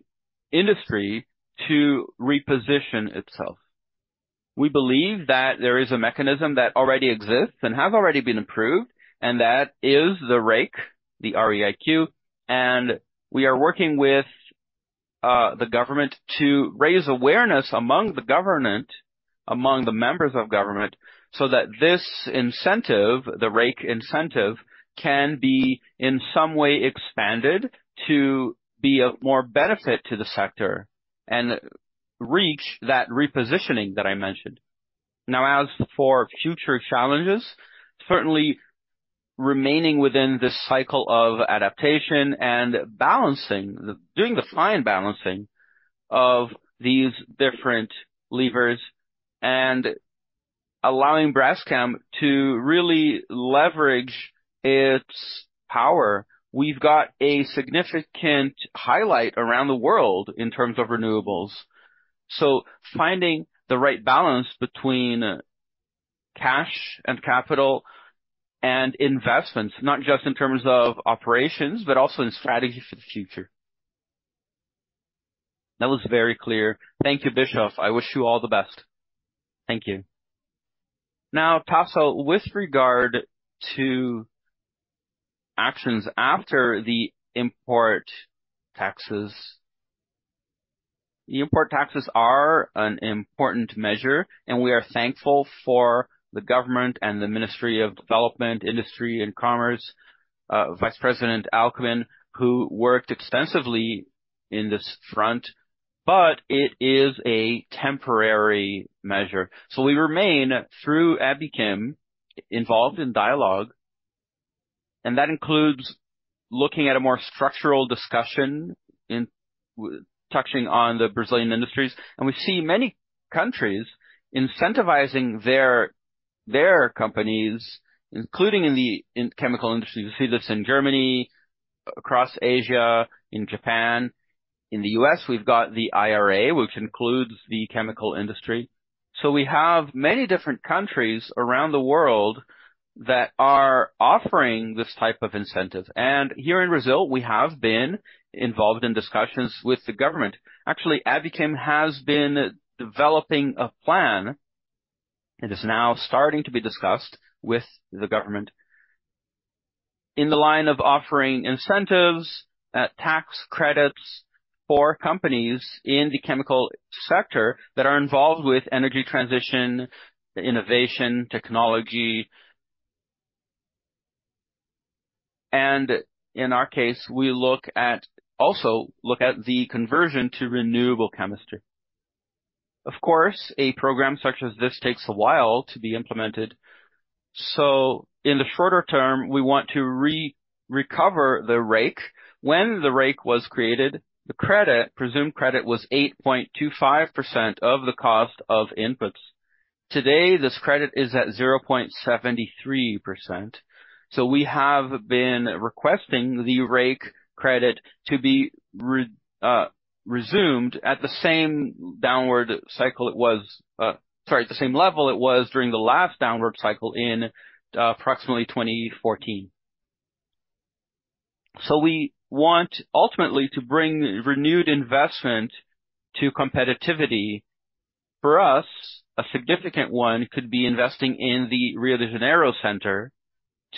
industry to reposition itself. We believe that there is a mechanism that already exists and has already been improved, and that is the REIQ, the REIQ. And we are working with the government to raise awareness among the government, among the members of government, so that this incentive, the REIQ incentive, can be in some way expanded to be of more benefit to the sector and reach that repositioning that I mentioned. Now, as for future challenges, certainly remaining within this cycle of adaptation and balancing, doing the fine balancing of these different levers and allowing Braskem to really leverage its power. We've got a significant highlight around the world in terms of renewables. So finding the right balance between cash and capital and investments, not just in terms of operations, but also in strategy for the future. That was very clear. Thank you, Bischoff. I wish you all the best. Thank you. Now, Tasso, with regard to actions after the import taxes, the import taxes are an important measure, and we are thankful for the government and the Ministry of Development, Industry, and Commerce, Vice President Alckmin, who worked extensively in this front, but it is a temporary measure. We remain, through Abiquim, involved in dialogue, and that includes looking at a more structural discussion in touching on the Brazilian industries. We see many countries incentivizing their companies, including in the chemical industry. You see this in Germany, across Asia, in Japan. In the U.S., we've got the IRA, which includes the chemical industry. We have many different countries around the world that are offering this type of incentive. Here in Brazil, we have been involved in discussions with the government. Actually, Abiquim has been developing a plan. It is now starting to be discussed with the government in the line of offering incentives, tax credits for companies in the chemical sector that are involved with energy transition, innovation, technology. In our case, we also look at the conversion to renewable chemistry. Of course, a program such as this takes a while to be implemented. In the shorter term, we want to recover the REIQ. When the REIQ was created, the credit, presumed credit, was 8.25% of the cost of inputs. Today, this credit is at 0.73%. So we have been requesting the REIQ credit to be resumed at the same downward cycle it was, sorry, at the same level it was during the last downward cycle in approximately 2014. So we want ultimately to bring renewed investment to competitiveness. For us, a significant one could be investing in the Rio de Janeiro Center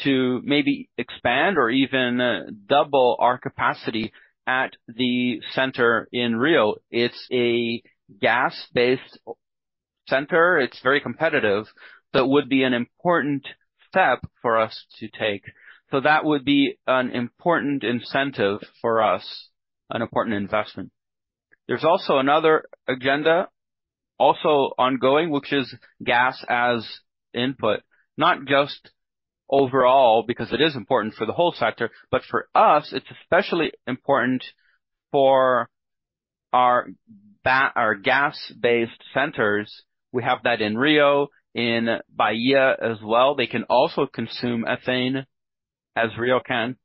to maybe expand or even double our capacity at the center in Rio. It's a gas-based center. It's very competitive, but would be an important step for us to take. So that would be an important incentive for us, an important investment. There's also another agenda also ongoing, which is gas as input, not just overall because it is important for the whole sector, but for us, it's especially important for our gas-based centers. We have that in Rio, in Bahia as well. They can also consume ethane as Rio can.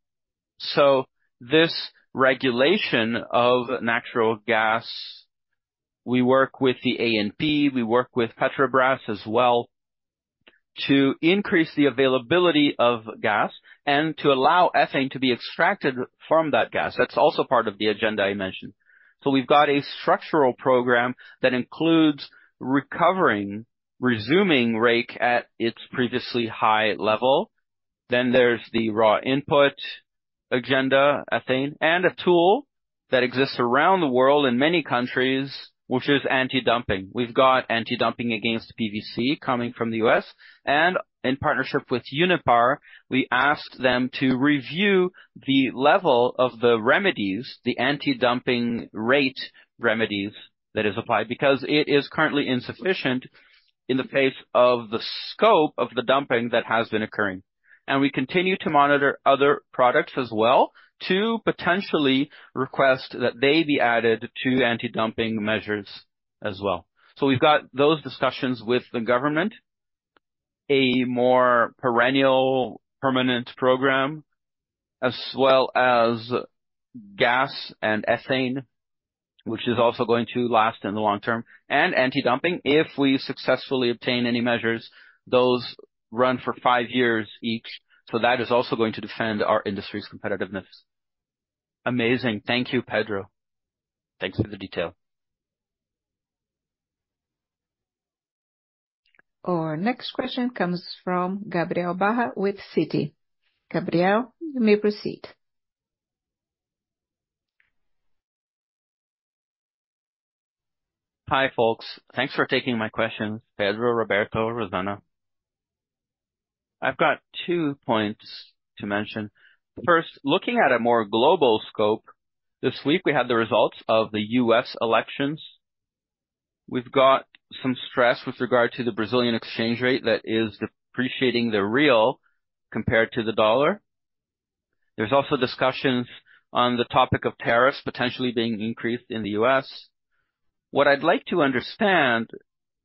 So this regulation of natural gas, we work with the ANP, we work with Petrobras as well to increase the availability of gas and to allow ethane to be extracted from that gas. That's also part of the agenda I mentioned. So we've got a structural program that includes recovering, resuming REIQ at its previously high level, then there's the feedstock agenda, ethane, and a tool that exists around the world in many countries, which is anti-dumping. We've got anti-dumping against PVC coming from the U.S., and in partnership with Unipar, we asked them to review the level of the remedies, the anti-dumping rate remedies that are applied because it is currently insufficient in the face of the scope of the dumping that has been occurring, and we continue to monitor other products as well to potentially request that they be added to anti-dumping measures as well, so we've got those discussions with the government, a more perennial, permanent program, as well as gas and ethane, which is also going to last in the long term, and anti-dumping. If we successfully obtain any measures, those run for five years each. So that is also going to defend our industry's competitiveness. Amazing. Thank you, Pedro. Thanks for the detail. Our next question comes from Gabriel Barra with Citi. Gabriel, you may proceed. Hi folks. Thanks for taking my questions, Pedro, Roberto, Rosana. I've got two points to mention. First, looking at a more global scope, this week we had the results of the U.S. elections. We've got some stress with regard to the Brazilian exchange rate that is depreciating the real compared to the dollar. There's also discussions on the topic of tariffs potentially being increased in the U.S. What I'd like to understand,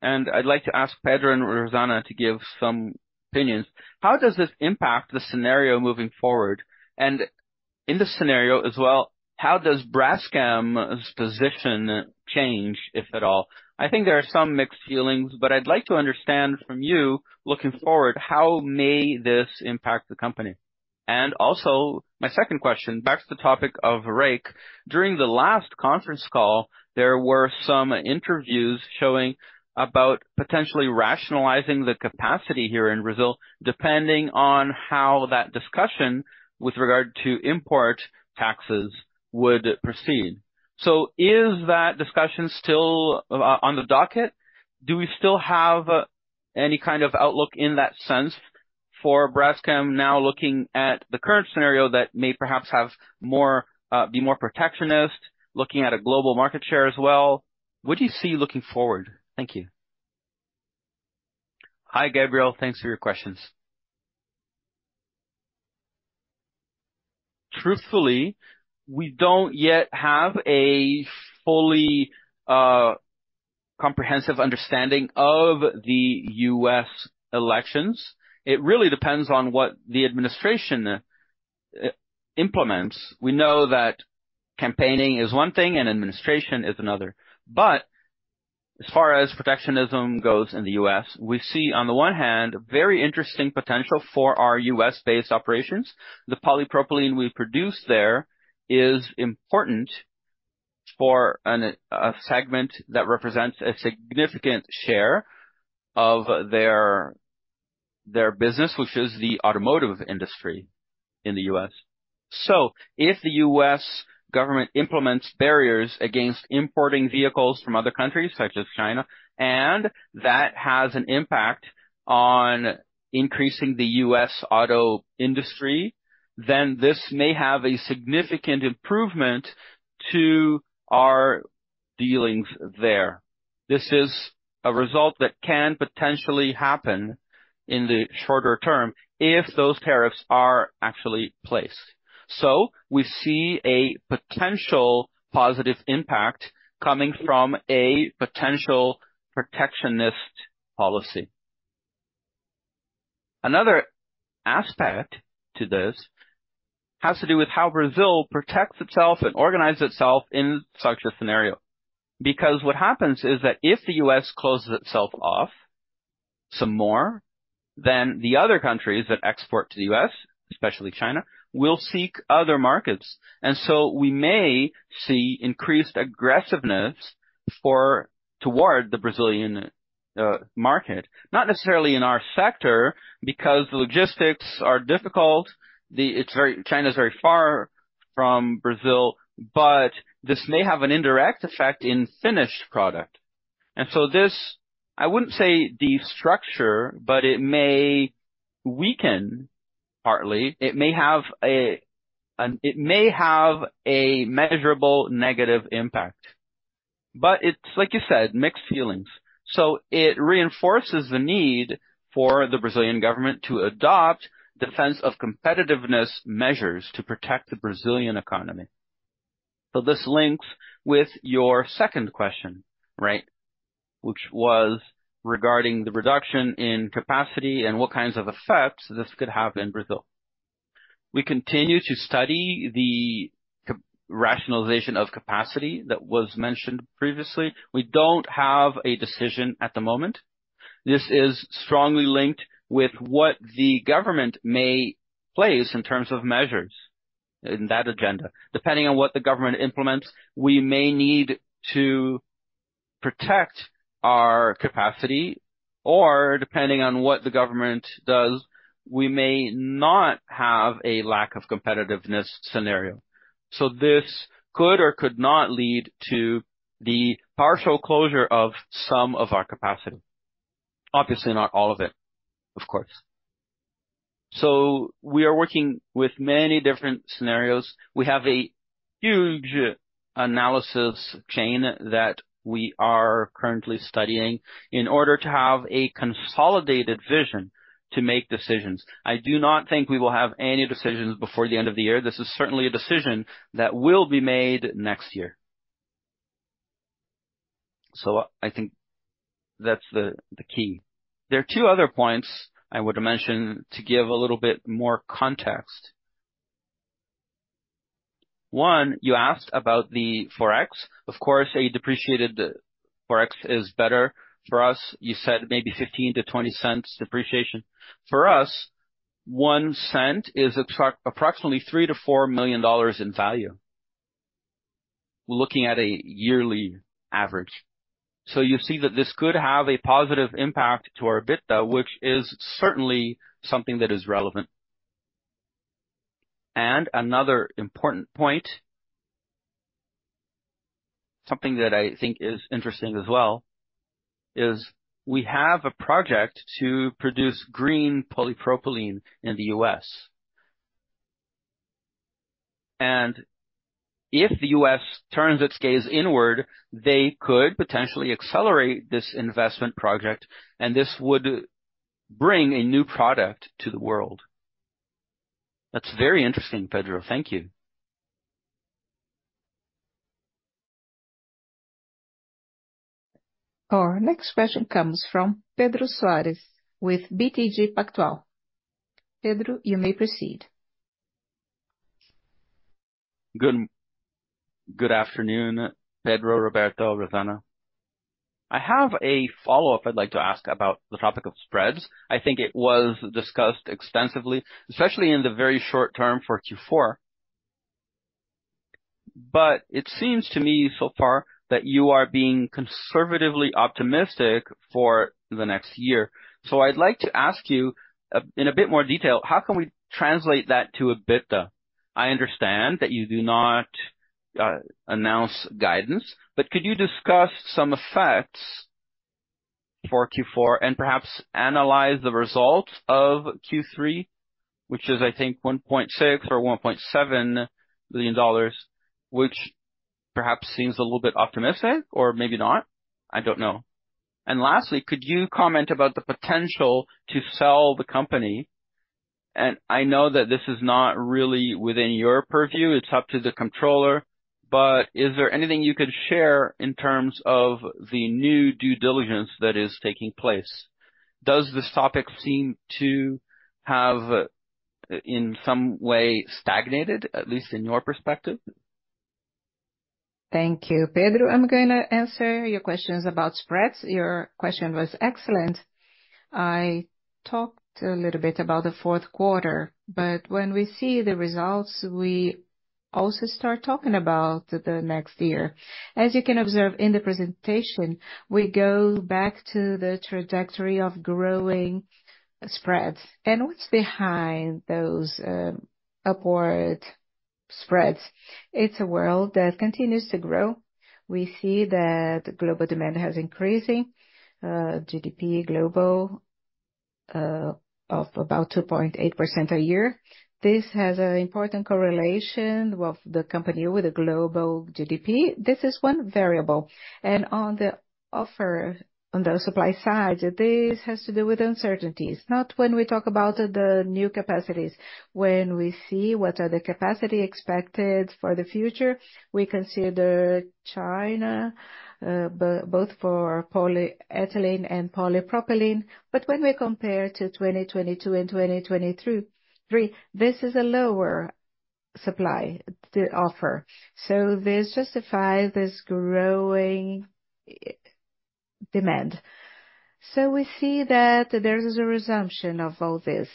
and I'd like to ask Pedro and Rosana to give some opinions, how does this impact the scenario moving forward? And in this scenario as well, how does Braskem's position change, if at all? I think there are some mixed feelings, but I'd like to understand from you looking forward, how may this impact the company? And also my second question, back to the topic of REIQ. During the last conference call, there were some indications showing about potentially rationalizing the capacity here in Brazil depending on how that discussion with regard to import taxes would proceed. So is that discussion still on the docket? Do we still have any kind of outlook in that sense for Braskem now looking at the current scenario that may perhaps be more protectionist, looking at a global market share as well? What do you see looking forward? Thank you. Hi Gabriel, thanks for your questions. Truthfully, we don't yet have a fully comprehensive understanding of the U.S. elections. It really depends on what the administration implements. We know that campaigning is one thing and administration is another. But as far as protectionism goes in the U.S., we see on the one hand very interesting potential for our U.S.-based operations. The polypropylene we produce there is important for a segment that represents a significant share of their business, which is the automotive industry in the U.S. So if the U.S. government implements barriers against importing vehicles from other countries such as China, and that has an impact on increasing the U.S. auto industry, then this may have a significant improvement to our dealings there. This is a result that can potentially happen in the shorter term if those tariffs are actually placed. So we see a potential positive impact coming from a potential protectionist policy. Another aspect to this has to do with how Brazil protects itself and organizes itself in such a scenario. Because what happens is that if the US closes itself off some more, then the other countries that export to the US, especially China, will seek other markets. And so we may see increased aggressiveness toward the Brazilian market, not necessarily in our sector because the logistics are difficult. China is very far from Brazil, but this may have an indirect effect in finished product. And so this, I wouldn't say destructure, but it may weaken partly. It may have a measurable negative impact. But it's, like you said, mixed feelings. So it reinforces the need for the Brazilian government to adopt defense of competitiveness measures to protect the Brazilian economy. So this links with your second question, right? Which was regarding the reduction in capacity and what kinds of effects this could have in Brazil. We continue to study the rationalization of capacity that was mentioned previously. We don't have a decision at the moment. This is strongly linked with what the government may place in terms of measures in that agenda. Depending on what the government implements, we may need to protect our capacity, or depending on what the government does, we may not have a lack of competitiveness scenario. So this could or could not lead to the partial closure of some of our capacity. Obviously, not all of it, of course. So we are working with many different scenarios. We have a huge analysis chain that we are currently studying in order to have a consolidated vision to make decisions. I do not think we will have any decisions before the end of the year. This is certainly a decision that will be made next year. So I think that's the key. There are two other points I want to mention to give a little bit more context. One, you asked about the Forex. Of course, a depreciated Forex is better for us. You said maybe 15-20 cents depreciation. For us, one cent is approximately $3 million-$4 million in value. We're looking at a yearly average. So you see that this could have a positive impact to our EBITDA, which is certainly something that is relevant. And another important point, something that I think is interesting as well, is we have a project to produce green polypropylene in the U.S. And if the U.S. turns its gaze inward, they could potentially accelerate this investment project, and this would bring a new product to the world. That's very interesting, Pedro. Thank you. Our next question comes from Pedro Soares with BTG Pactual. Pedro, you may proceed. Good afternoon, Pedro, Roberto, Rosana. I have a follow-up I'd like to ask about the topic of spreads. I think it was discussed extensively, especially in the very short term for Q4. But it seems to me so far that you are being conservatively optimistic for the next year. So I'd like to ask you in a bit more detail, how can we translate that to EBITDA? I understand that you do not announce guidance, but could you discuss some effects for Q4 and perhaps analyze the results of Q3, which is, I think, $1.6 million or $1.7 million, which perhaps seems a little bit optimistic or maybe not. I don't know. And lastly, could you comment about the potential to sell the company? And I know that this is not really within your purview. It's up to the controller. But is there anything you could share in terms of the new due diligence that is taking place? Does this topic seem to have in some way stagnated, at least in your perspective? Thank you, Pedro. I'm going to answer your questions about spreads. Your question was excellent. I talked a little bit about the fourth quarter, but when we see the results, we also start talking about the next year. As you can observe in the presentation, we go back to the trajectory of growing spreads. And what's behind those upward spreads? It's a world that continues to grow. We see that global demand has increased, GDP global of about 2.8% a year. This has an important correlation with the company with a global GDP. This is one variable. And on the offer, on the supply side, this has to do with uncertainties. Not when we talk about the new capacities. When we see what are the capacity expected for the future, we consider China, both for polyethylene and polypropylene. But when we compare to 2022 and 2023, this is a lower supply to offer. So this justifies this growing demand. So we see that there's a resumption of all this.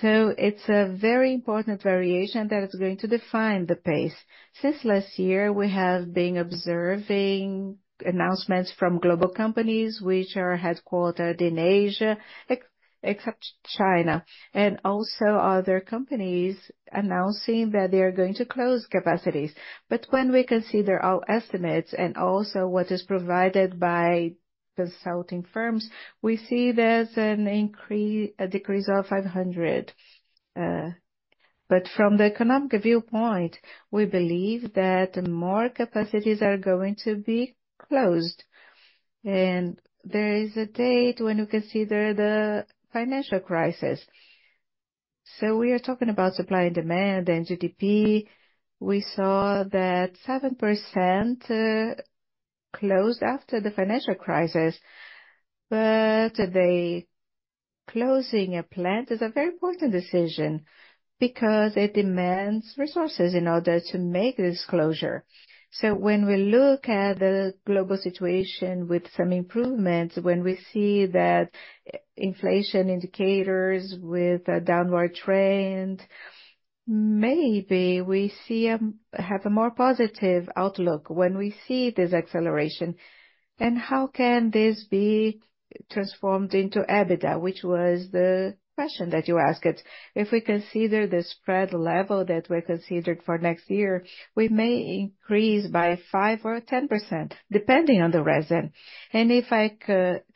So it's a very important variation that is going to define the pace. Since last year, we have been observing announcements from global companies, which are headquartered in Asia, except China, and also other companies announcing that they are going to close capacities. But when we consider our estimates and also what is provided by consulting firms, we see there's an increase, a decrease of 500. But from the economic viewpoint, we believe that more capacities are going to be closed. And there is a date when we consider the financial crisis. So we are talking about supply and demand and GDP. We saw that 7% closed after the financial crisis. But the closing of plants is a very important decision because it demands resources in order to make this closure. So when we look at the global situation with some improvements, when we see that inflation indicators with a downward trend, maybe we have a more positive outlook when we see this acceleration. And how can this be transformed into EBITDA, which was the question that you asked? If we consider the spread level that we considered for next year, we may increase by 5%-10%, depending on the reason. And if I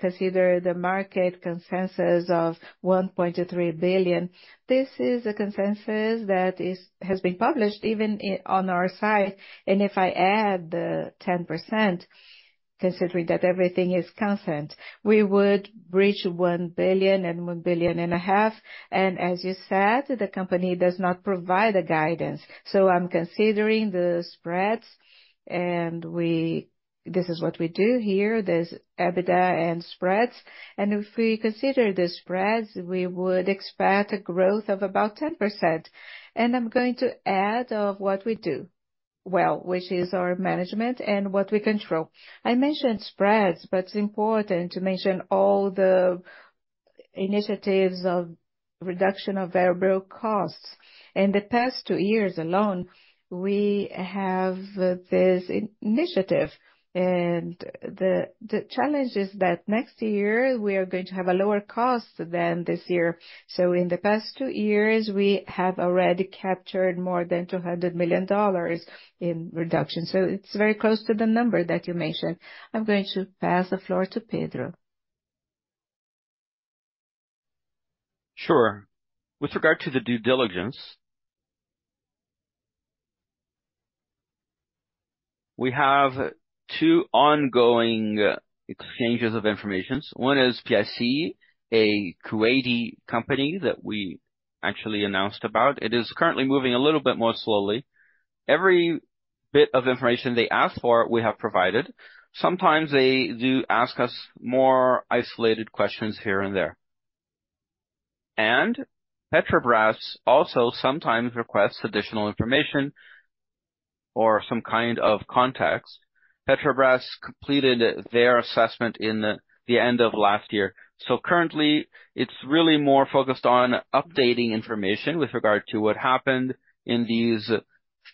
consider the market consensus of 1.3 billion, this is a consensus that has been published even on our side. If I add the 10%, considering that everything is constant, we would reach 1 billion and 1 billion and a half. As you said, the company does not provide the guidance. I'm considering the spreads. This is what we do here. There's EBITDA and spreads. If we consider the spreads, we would expect a growth of about 10%. I'm going to add what we do well, which is our management and what we control. I mentioned spreads, but it's important to mention all the initiatives of reduction of variable costs. In the past two years alone, we have this initiative. The challenge is that next year, we are going to have a lower cost than this year. In the past two years, we have already captured more than $200 million in reduction. So it's very close to the number that you mentioned. I'm going to pass the floor to Pedro. Sure. With regard to the due diligence, we have two ongoing exchanges of information. One is PIC, a Kuwaiti company that we actually announced about. It is currently moving a little bit more slowly. Every bit of information they ask for, we have provided. Sometimes they do ask us more isolated questions here and there. And Petrobras also sometimes requests additional information or some kind of context. Petrobras completed their assessment in the end of last year. So currently, it's really more focused on updating information with regard to what happened in these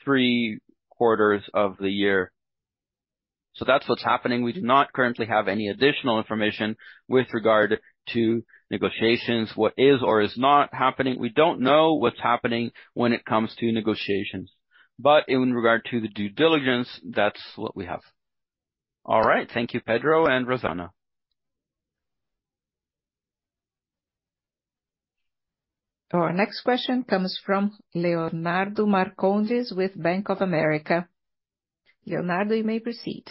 three quarters of the year. So that's what's happening. We do not currently have any additional information with regard to negotiations, what is or is not happening. We don't know what's happening when it comes to negotiations. But in regard to the due diligence, that's what we have. All right. Thank you, Pedro and Rosana. Our next question comes from Leonardo Marcondes with Bank of America. Leonardo, you may proceed.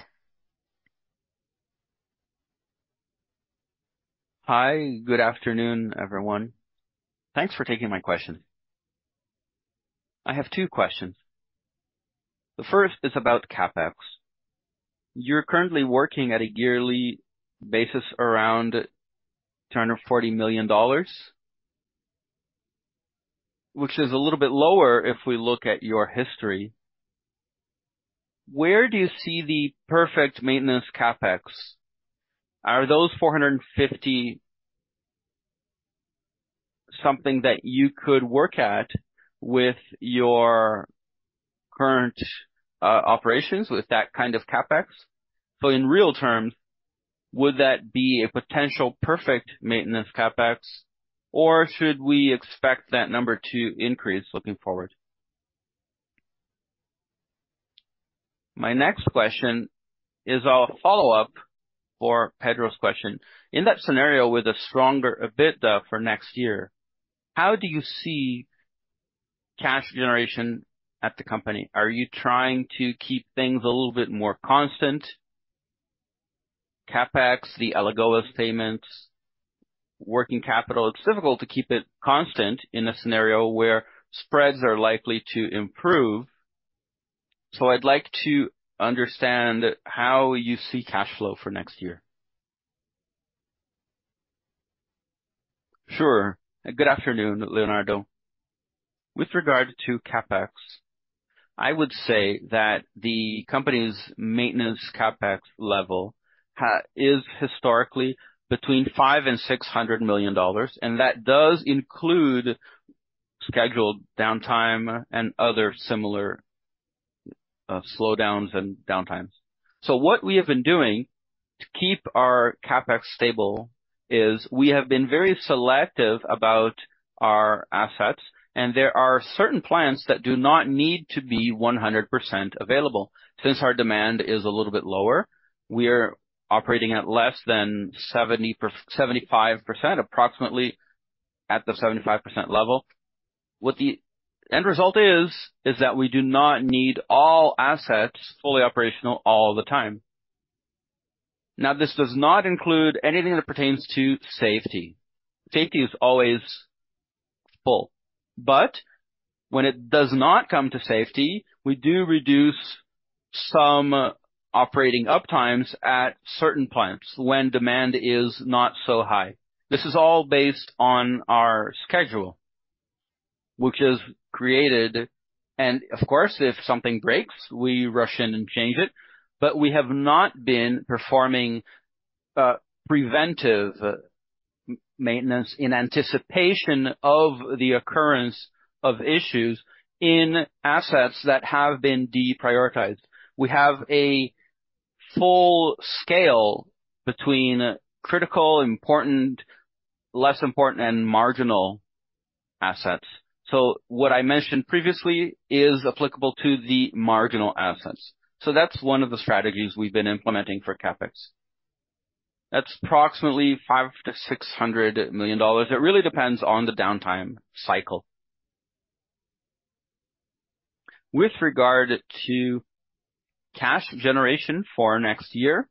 Hi, good afternoon, everyone. Thanks for taking my question. I have two questions. The first is about CapEx. You're currently working at a yearly basis around $240 million, which is a little bit lower if we look at your history. Where do you see the perfect maintenance CapEx? Are those 450 something that you could work at with your current operations with that kind of CapEx? So in real terms, would that be a potential perfect maintenance CapEx, or should we expect that number to increase looking forward? My next question is a follow-up for Pedro's question. In that scenario with a stronger EBITDA for next year, how do you see cash generation at the company? Are you trying to keep things a little bit more constant? CapEx, all the other payments, working capital, it's difficult to keep it constant in a scenario where spreads are likely to improve. So I'd like to understand how you see cash flow for next year. Sure. Good afternoon, Leonardo. With regard to CapEx, I would say that the company's maintenance CapEx level is historically between $500 million and $600 million, and that does include scheduled downtime and other similar slowdowns and downtimes. So what we have been doing to keep our CapEx stable is we have been very selective about our assets, and there are certain plants that do not need to be 100% available. Since our demand is a little bit lower, we are operating at less than 75%, approximately at the 75% level. The end result is that we do not need all assets fully operational all the time. Now, this does not include anything that pertains to safety. Safety is always full. But when it does not come to safety, we do reduce some operating uptimes at certain plants when demand is not so high. This is all based on our schedule, which is created. And of course, if something breaks, we rush in and change it. But we have not been performing preventive maintenance in anticipation of the occurrence of issues in assets that have been deprioritized. We have a full scale between critical, important, less important, and marginal assets. So what I mentioned previously is applicable to the marginal assets. So that's one of the strategies we've been implementing for CAPEX. That's approximately $500-$600 million. It really depends on the downtime cycle. With regard to cash generation for next year,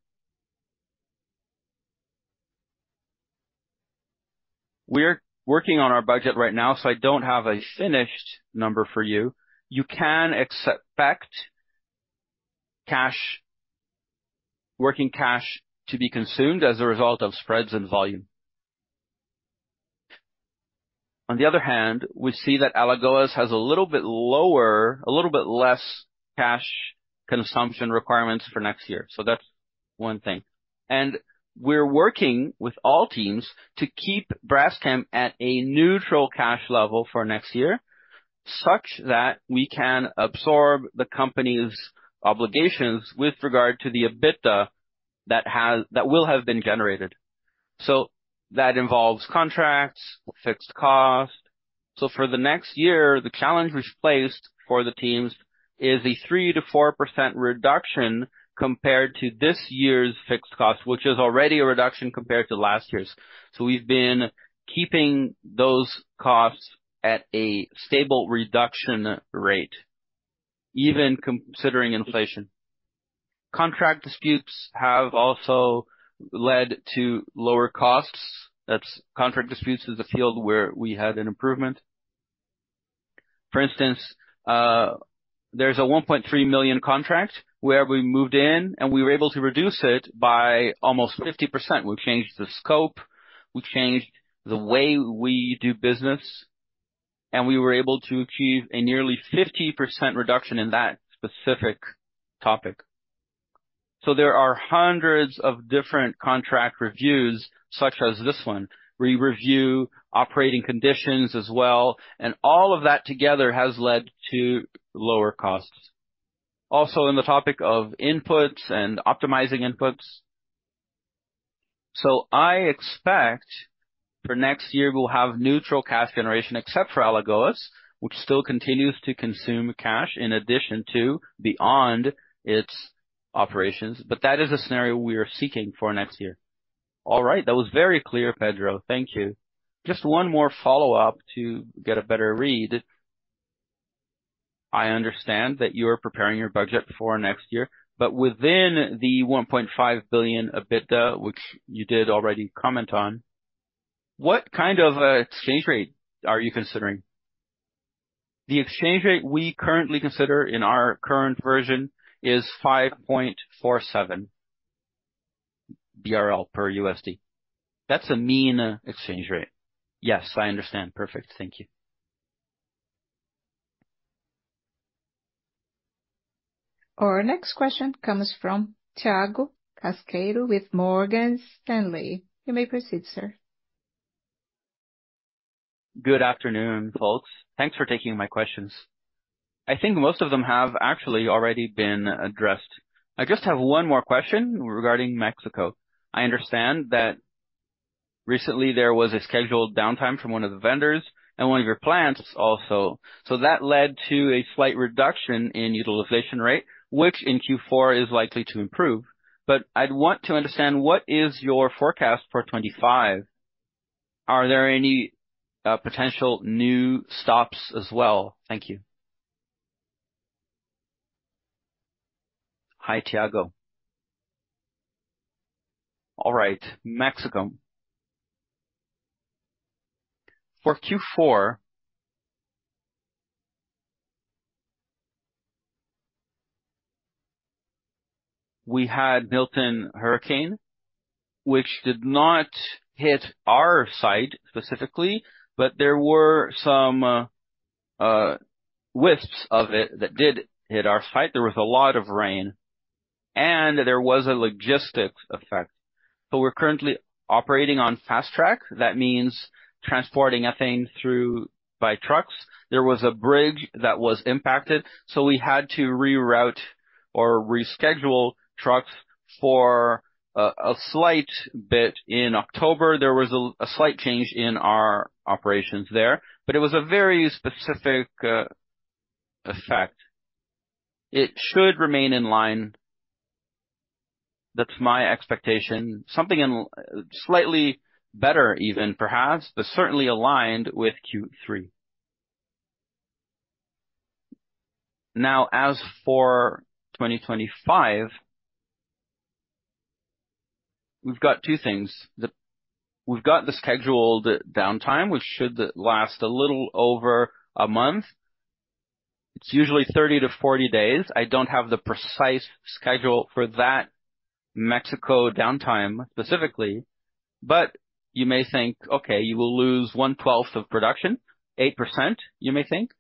we are working on our budget right now, so I don't have a finished number for you. You can expect cash, working cash to be consumed as a result of spreads and volume. On the other hand, we see that Alagoas has a little bit lower, a little bit less cash consumption requirements for next year. So that's one thing. And we're working with all teams to keep Braskem at a neutral cash level for next year such that we can absorb the company's obligations with regard to the EBITDA that will have been generated. So that involves contracts, fixed cost. So for the next year, the challenge we've placed for the teams is a 3%-4% reduction compared to this year's fixed cost, which is already a reduction compared to last year's. So we've been keeping those costs at a stable reduction rate, even considering inflation. Contract disputes have also led to lower costs. That's contract disputes is a field where we had an improvement. For instance, there's a 1.3 million contract where we moved in, and we were able to reduce it by almost 50%. We changed the scope. We changed the way we do business. And we were able to achieve a nearly 50% reduction in that specific topic. So there are hundreds of different contract reviews, such as this one, where you review operating conditions as well. And all of that together has led to lower costs. Also in the topic of inputs and optimizing inputs. So I expect for next year, we'll have neutral cash generation except for Alagoas, which still continues to consume cash in addition to beyond its operations. But that is a scenario we are seeking for next year. All right. That was very clear, Pedro. Thank you. Just one more follow-up to get a better read. I understand that you are preparing your budget for next year, but within the 1.5 billion EBITDA, which you did already comment on, what kind of exchange rate are you considering? The exchange rate we currently consider in our current version is 5.47 BRL per USD. That's a mean exchange rate. Yes, I understand. Perfect. Thank you. Our next question comes from Thiago Pesso with Morgan Stanley. You may proceed, sir. Good afternoon, folks. Thanks for taking my questions. I think most of them have actually already been addressed. I just have one more question regarding Mexico. I understand that recently there was a scheduled downtime from one of the vendors and one of your plants also. So that led to a slight reduction in utilization rate, which in Q4 is likely to improve. But I'd want to understand what is your forecast for 2025? Are there any potential new stops as well? Thank you. Hi, Tiago. All right. Mexico. For Q4, we had Hurricane Milton, which did not hit our site specifically, but there were some wisps of it that did hit our site. There was a lot of rain, and there was a logistics effect. So we're currently operating on fast track. That means transporting ethane through by trucks. There was a bridge that was impacted, so we had to reroute or reschedule trucks for a slight bit in October. There was a slight change in our operations there, but it was a very specific effect. It should remain in line. That's my expectation. Something slightly better even, perhaps, but certainly aligned with Q3. Now, as for 2025, we've got two things. We've got the scheduled downtime, which should last a little over a month. It's usually 30 to 40 days. I don't have the precise schedule for that Mexico downtime specifically, but you may think, "Okay, you will lose one-twelfth of production, 8%," you may think.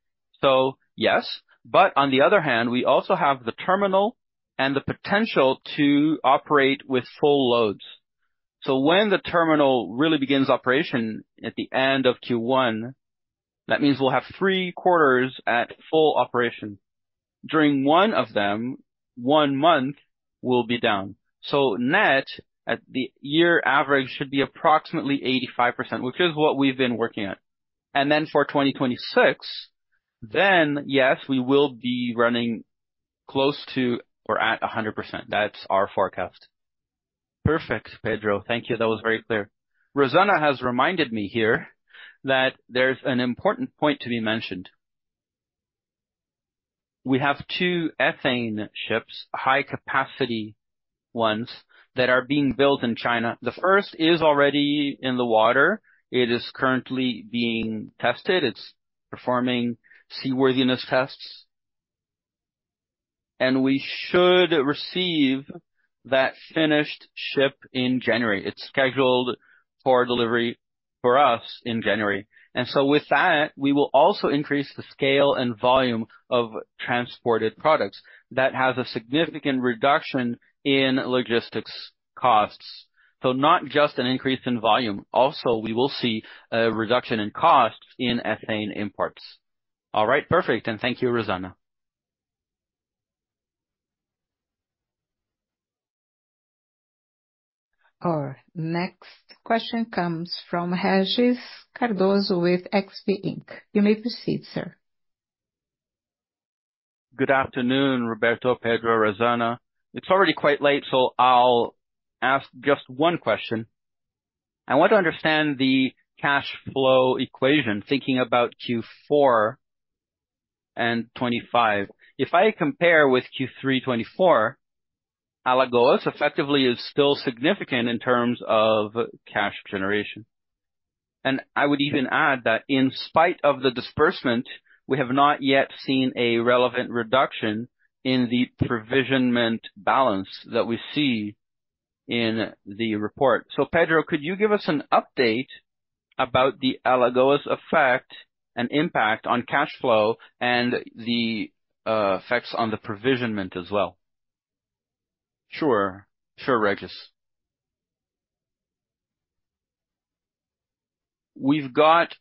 So yes. But on the other hand, we also have the terminal and the potential to operate with full loads. So when the terminal really begins operation at the end of Q1, that means we'll have three quarters at full operation. During one of them, one month will be down. So net at the year average should be approximately 85%, which is what we've been working at. And then for 2026, then yes, we will be running close to or at 100%. That's our forecast. Perfect, Pedro. Thank you. That was very clear. Rosana has reminded me here that there's an important point to be mentioned. We have two ethane ships, high-capacity ones that are being built in China. The first is already in the water. It is currently being tested. It's performing seaworthiness tests, and we should receive that finished ship in January. It's scheduled for delivery for us in January, and so with that, we will also increase the scale and volume of transported products. That has a significant reduction in logistics costs, so not just an increase in volume. Also, we will see a reduction in costs in ethane imports. All right. Perfect, and thank you, Rosana. Our next question comes from Regis Cardoso with XP Inc. You may proceed, sir. Good afternoon, Roberto, Pedro, Rosana. It's already quite late, so I'll ask just one question. I want to understand the cash flow equation, thinking about Q4 and 2025. If I compare with Q3 2024, Alagoas effectively is still significant in terms of cash generation, and I would even add that in spite of the disbursement, we have not yet seen a relevant reduction in the provision balance that we see in the report. So Pedro, could you give us an update about the Alagoas effect and impact on cash flow and the effects on the provision as well? Sure. Sure, Regis. We've got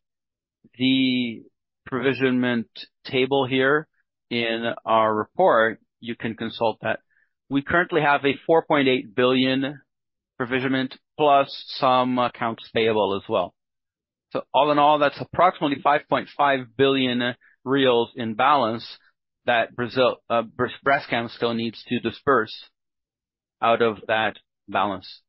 the provision table here in our report. You can consult that. We currently have 4.8 billion provision plus some accounts payable as well. So all in all, that's approximately 5.5 billion reais in balance that Braskem still needs to disburse out of that balance.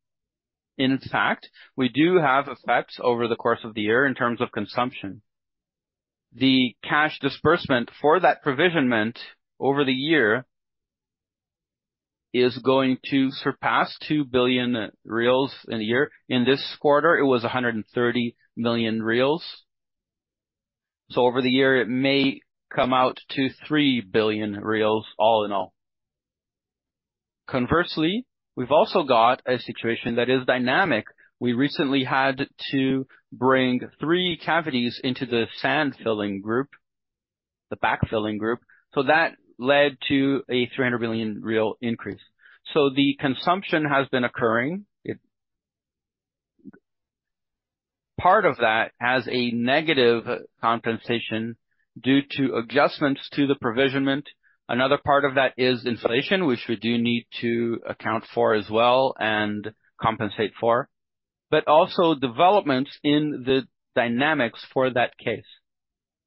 In fact, we do have effects over the course of the year in terms of consumption. The cash disbursement for that provision over the year is going to surpass 2 billion in a year. In this quarter, it was 130 million. So over the year, it may come out to 3 billion all in all. Conversely, we've also got a situation that is dynamic. We recently had to bring three cavities into the sand filling group, the backfilling group. So that led to a 300 million real increase. So the consumption has been occurring. Part of that has a negative compensation due to adjustments to the provision. Another part of that is inflation, which we do need to account for as well and compensate for, but also developments in the dynamics for that case.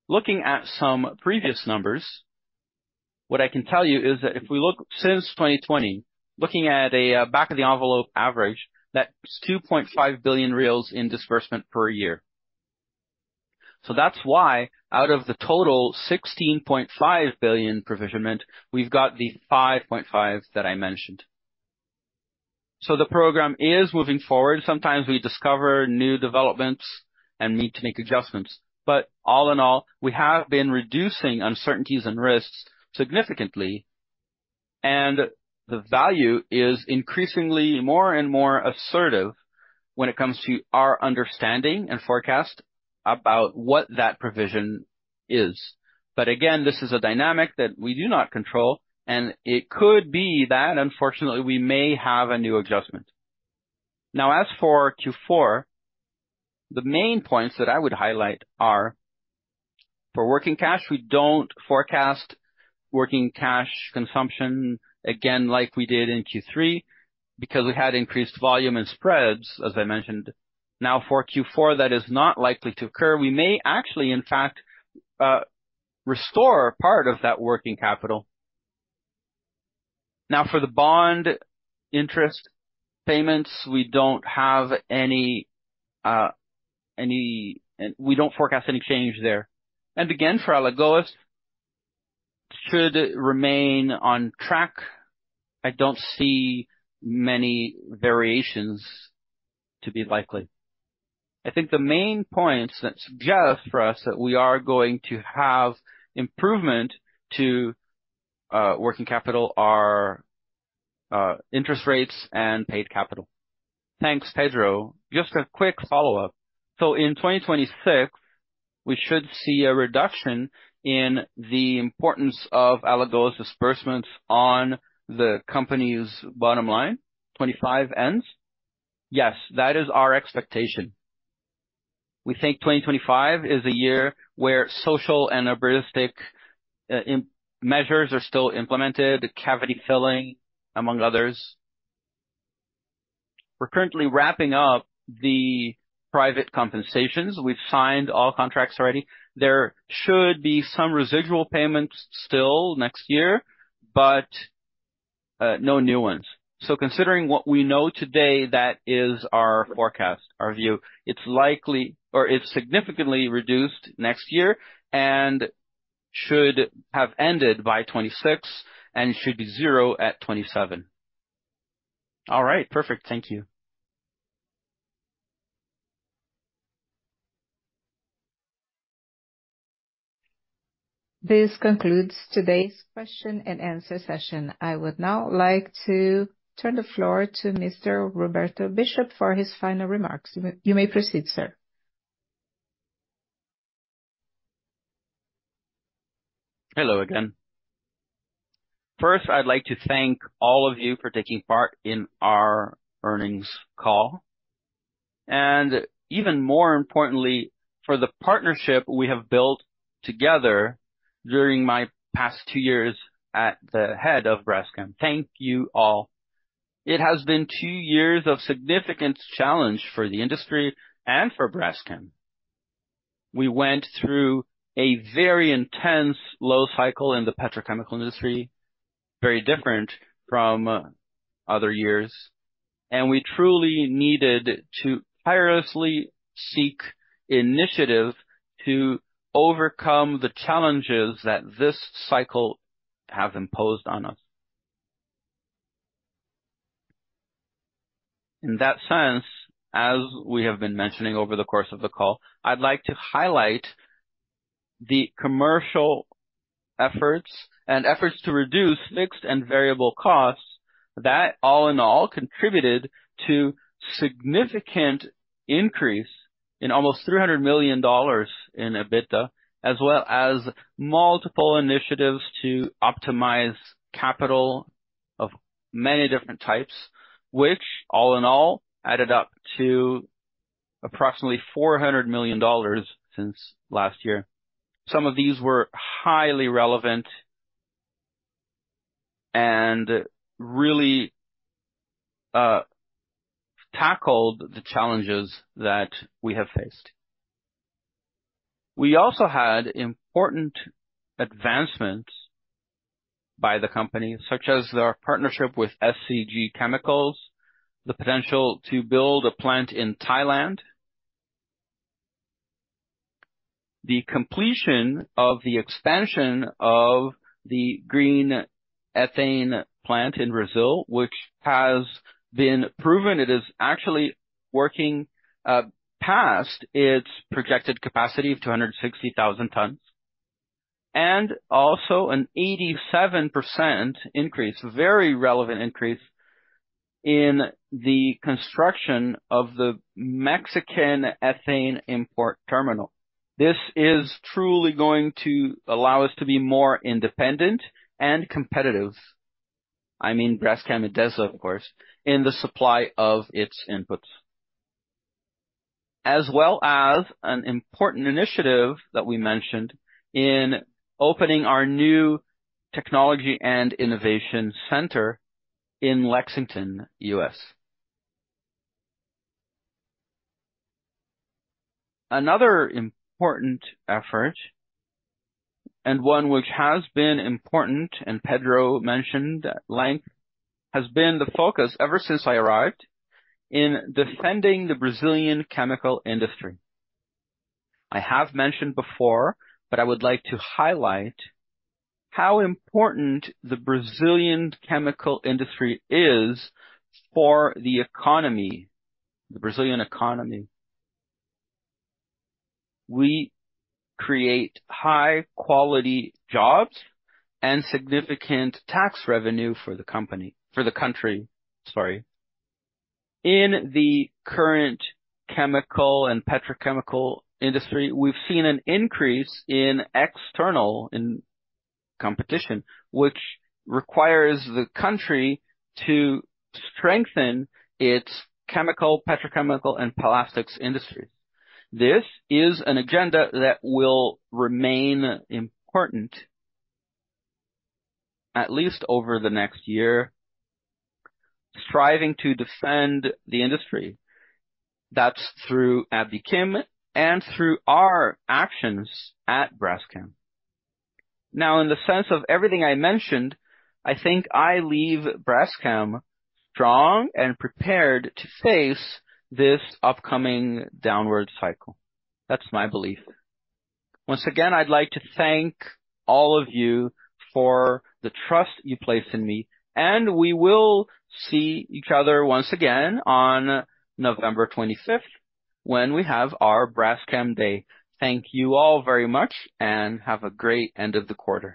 Looking at some previous numbers, what I can tell you is that if we look since 2020, looking at a back-of-the-envelope average, that's 2.5 billion reais in disbursement per year. So that's why out of the total 16.5 billion provision, we've got the 5.5 billion that I mentioned. So the program is moving forward. Sometimes we discover new developments and need to make adjustments. But all in all, we have been reducing uncertainties and risks significantly. The value is increasingly more and more assertive when it comes to our understanding and forecast about what that provision is. But again, this is a dynamic that we do not control, and it could be that, unfortunately, we may have a new adjustment. Now, as for Q4, the main points that I would highlight are for working cash, we don't forecast working cash consumption again like we did in Q3 because we had increased volume and spreads, as I mentioned. Now, for Q4, that is not likely to occur. We may actually, in fact, restore part of that working capital. Now, for the bond interest payments, we don't have any. We don't forecast any change there. And again, for Alagoas, should remain on track. I don't see many variations to be likely. I think the main points that suggest for us that we are going to have improvement to working capital are interest rates and paid capital. Thanks, Pedro. Just a quick follow-up. So in 2026, we should see a reduction in the importance of Alagoas disbursements on the company's bottom line, 2025 ends. Yes, that is our expectation. We think 2025 is a year where social and environmental measures are still implemented, the cavity filling, among others. We're currently wrapping up the private compensations. We've signed all contracts already. There should be some residual payments still next year, but no new ones. So considering what we know today, that is our forecast, our view. It's likely or it's significantly reduced next year and should have ended by 2026 and should be zero at 2027. All right. Perfect. Thank you. This concludes today's question and answer session. I would now like to turn the floor to Mr. Roberto Bischoff for his final remarks. You may proceed, sir. Hello again. First, I'd like to thank all of you for taking part in our earnings call. And even more importantly, for the partnership we have built together during my past two years at the head of Braskem. Thank you all. It has been two years of significant challenge for the industry and for Braskem. We went through a very intense low cycle in the petrochemical industry, very different from other years, and we truly needed to tirelessly seek initiative to overcome the challenges that this cycle has imposed on us. In that sense, as we have been mentioning over the course of the call, I'd like to highlight the commercial efforts and efforts to reduce fixed and variable costs that all in all contributed to a significant increase in almost $300 million in EBITDA, as well as multiple initiatives to optimize capital of many different types, which all in all added up to approximately $400 million since last year. Some of these were highly relevant and really tackled the challenges that we have faced. We also had important advancements by the company, such as their partnership with SCG Chemicals, the potential to build a plant in Thailand, the completion of the expansion of the green ethane plant in Brazil, which has been proven it is actually working past its projected capacity of 260,000 tons, and also an 87% increase, very relevant increase in the construction of the Mexican ethane import terminal. This is truly going to allow us to be more independent and competitive. I mean, Braskem is, of course, in the supply of its inputs, as well as an important initiative that we mentioned in opening our new technology and innovation center in Lexington, U.S. Another important effort, and one which has been important and Pedro mentioned at length, has been the focus ever since I arrived in defending the Brazilian chemical industry. I have mentioned before, but I would like to highlight how important the Brazilian chemical industry is for the economy, the Brazilian economy. We create high-quality jobs and significant tax revenue for the company, for the country, sorry. In the current chemical and petrochemical industry, we've seen an increase in external competition, which requires the country to strengthen its chemical, petrochemical, and plastics industries. This is an agenda that will remain important, at least over the next year, striving to defend the industry. That's through Abiquim and through our actions at Braskem. Now, in the sense of everything I mentioned, I think I leave Braskem strong and prepared to face this upcoming downward cycle. That's my belief. Once again, I'd like to thank all of you for the trust you place in me. We will see each other once again on November 25th when we have our Braskem Day. Thank you all very much and have a great end of the quarter.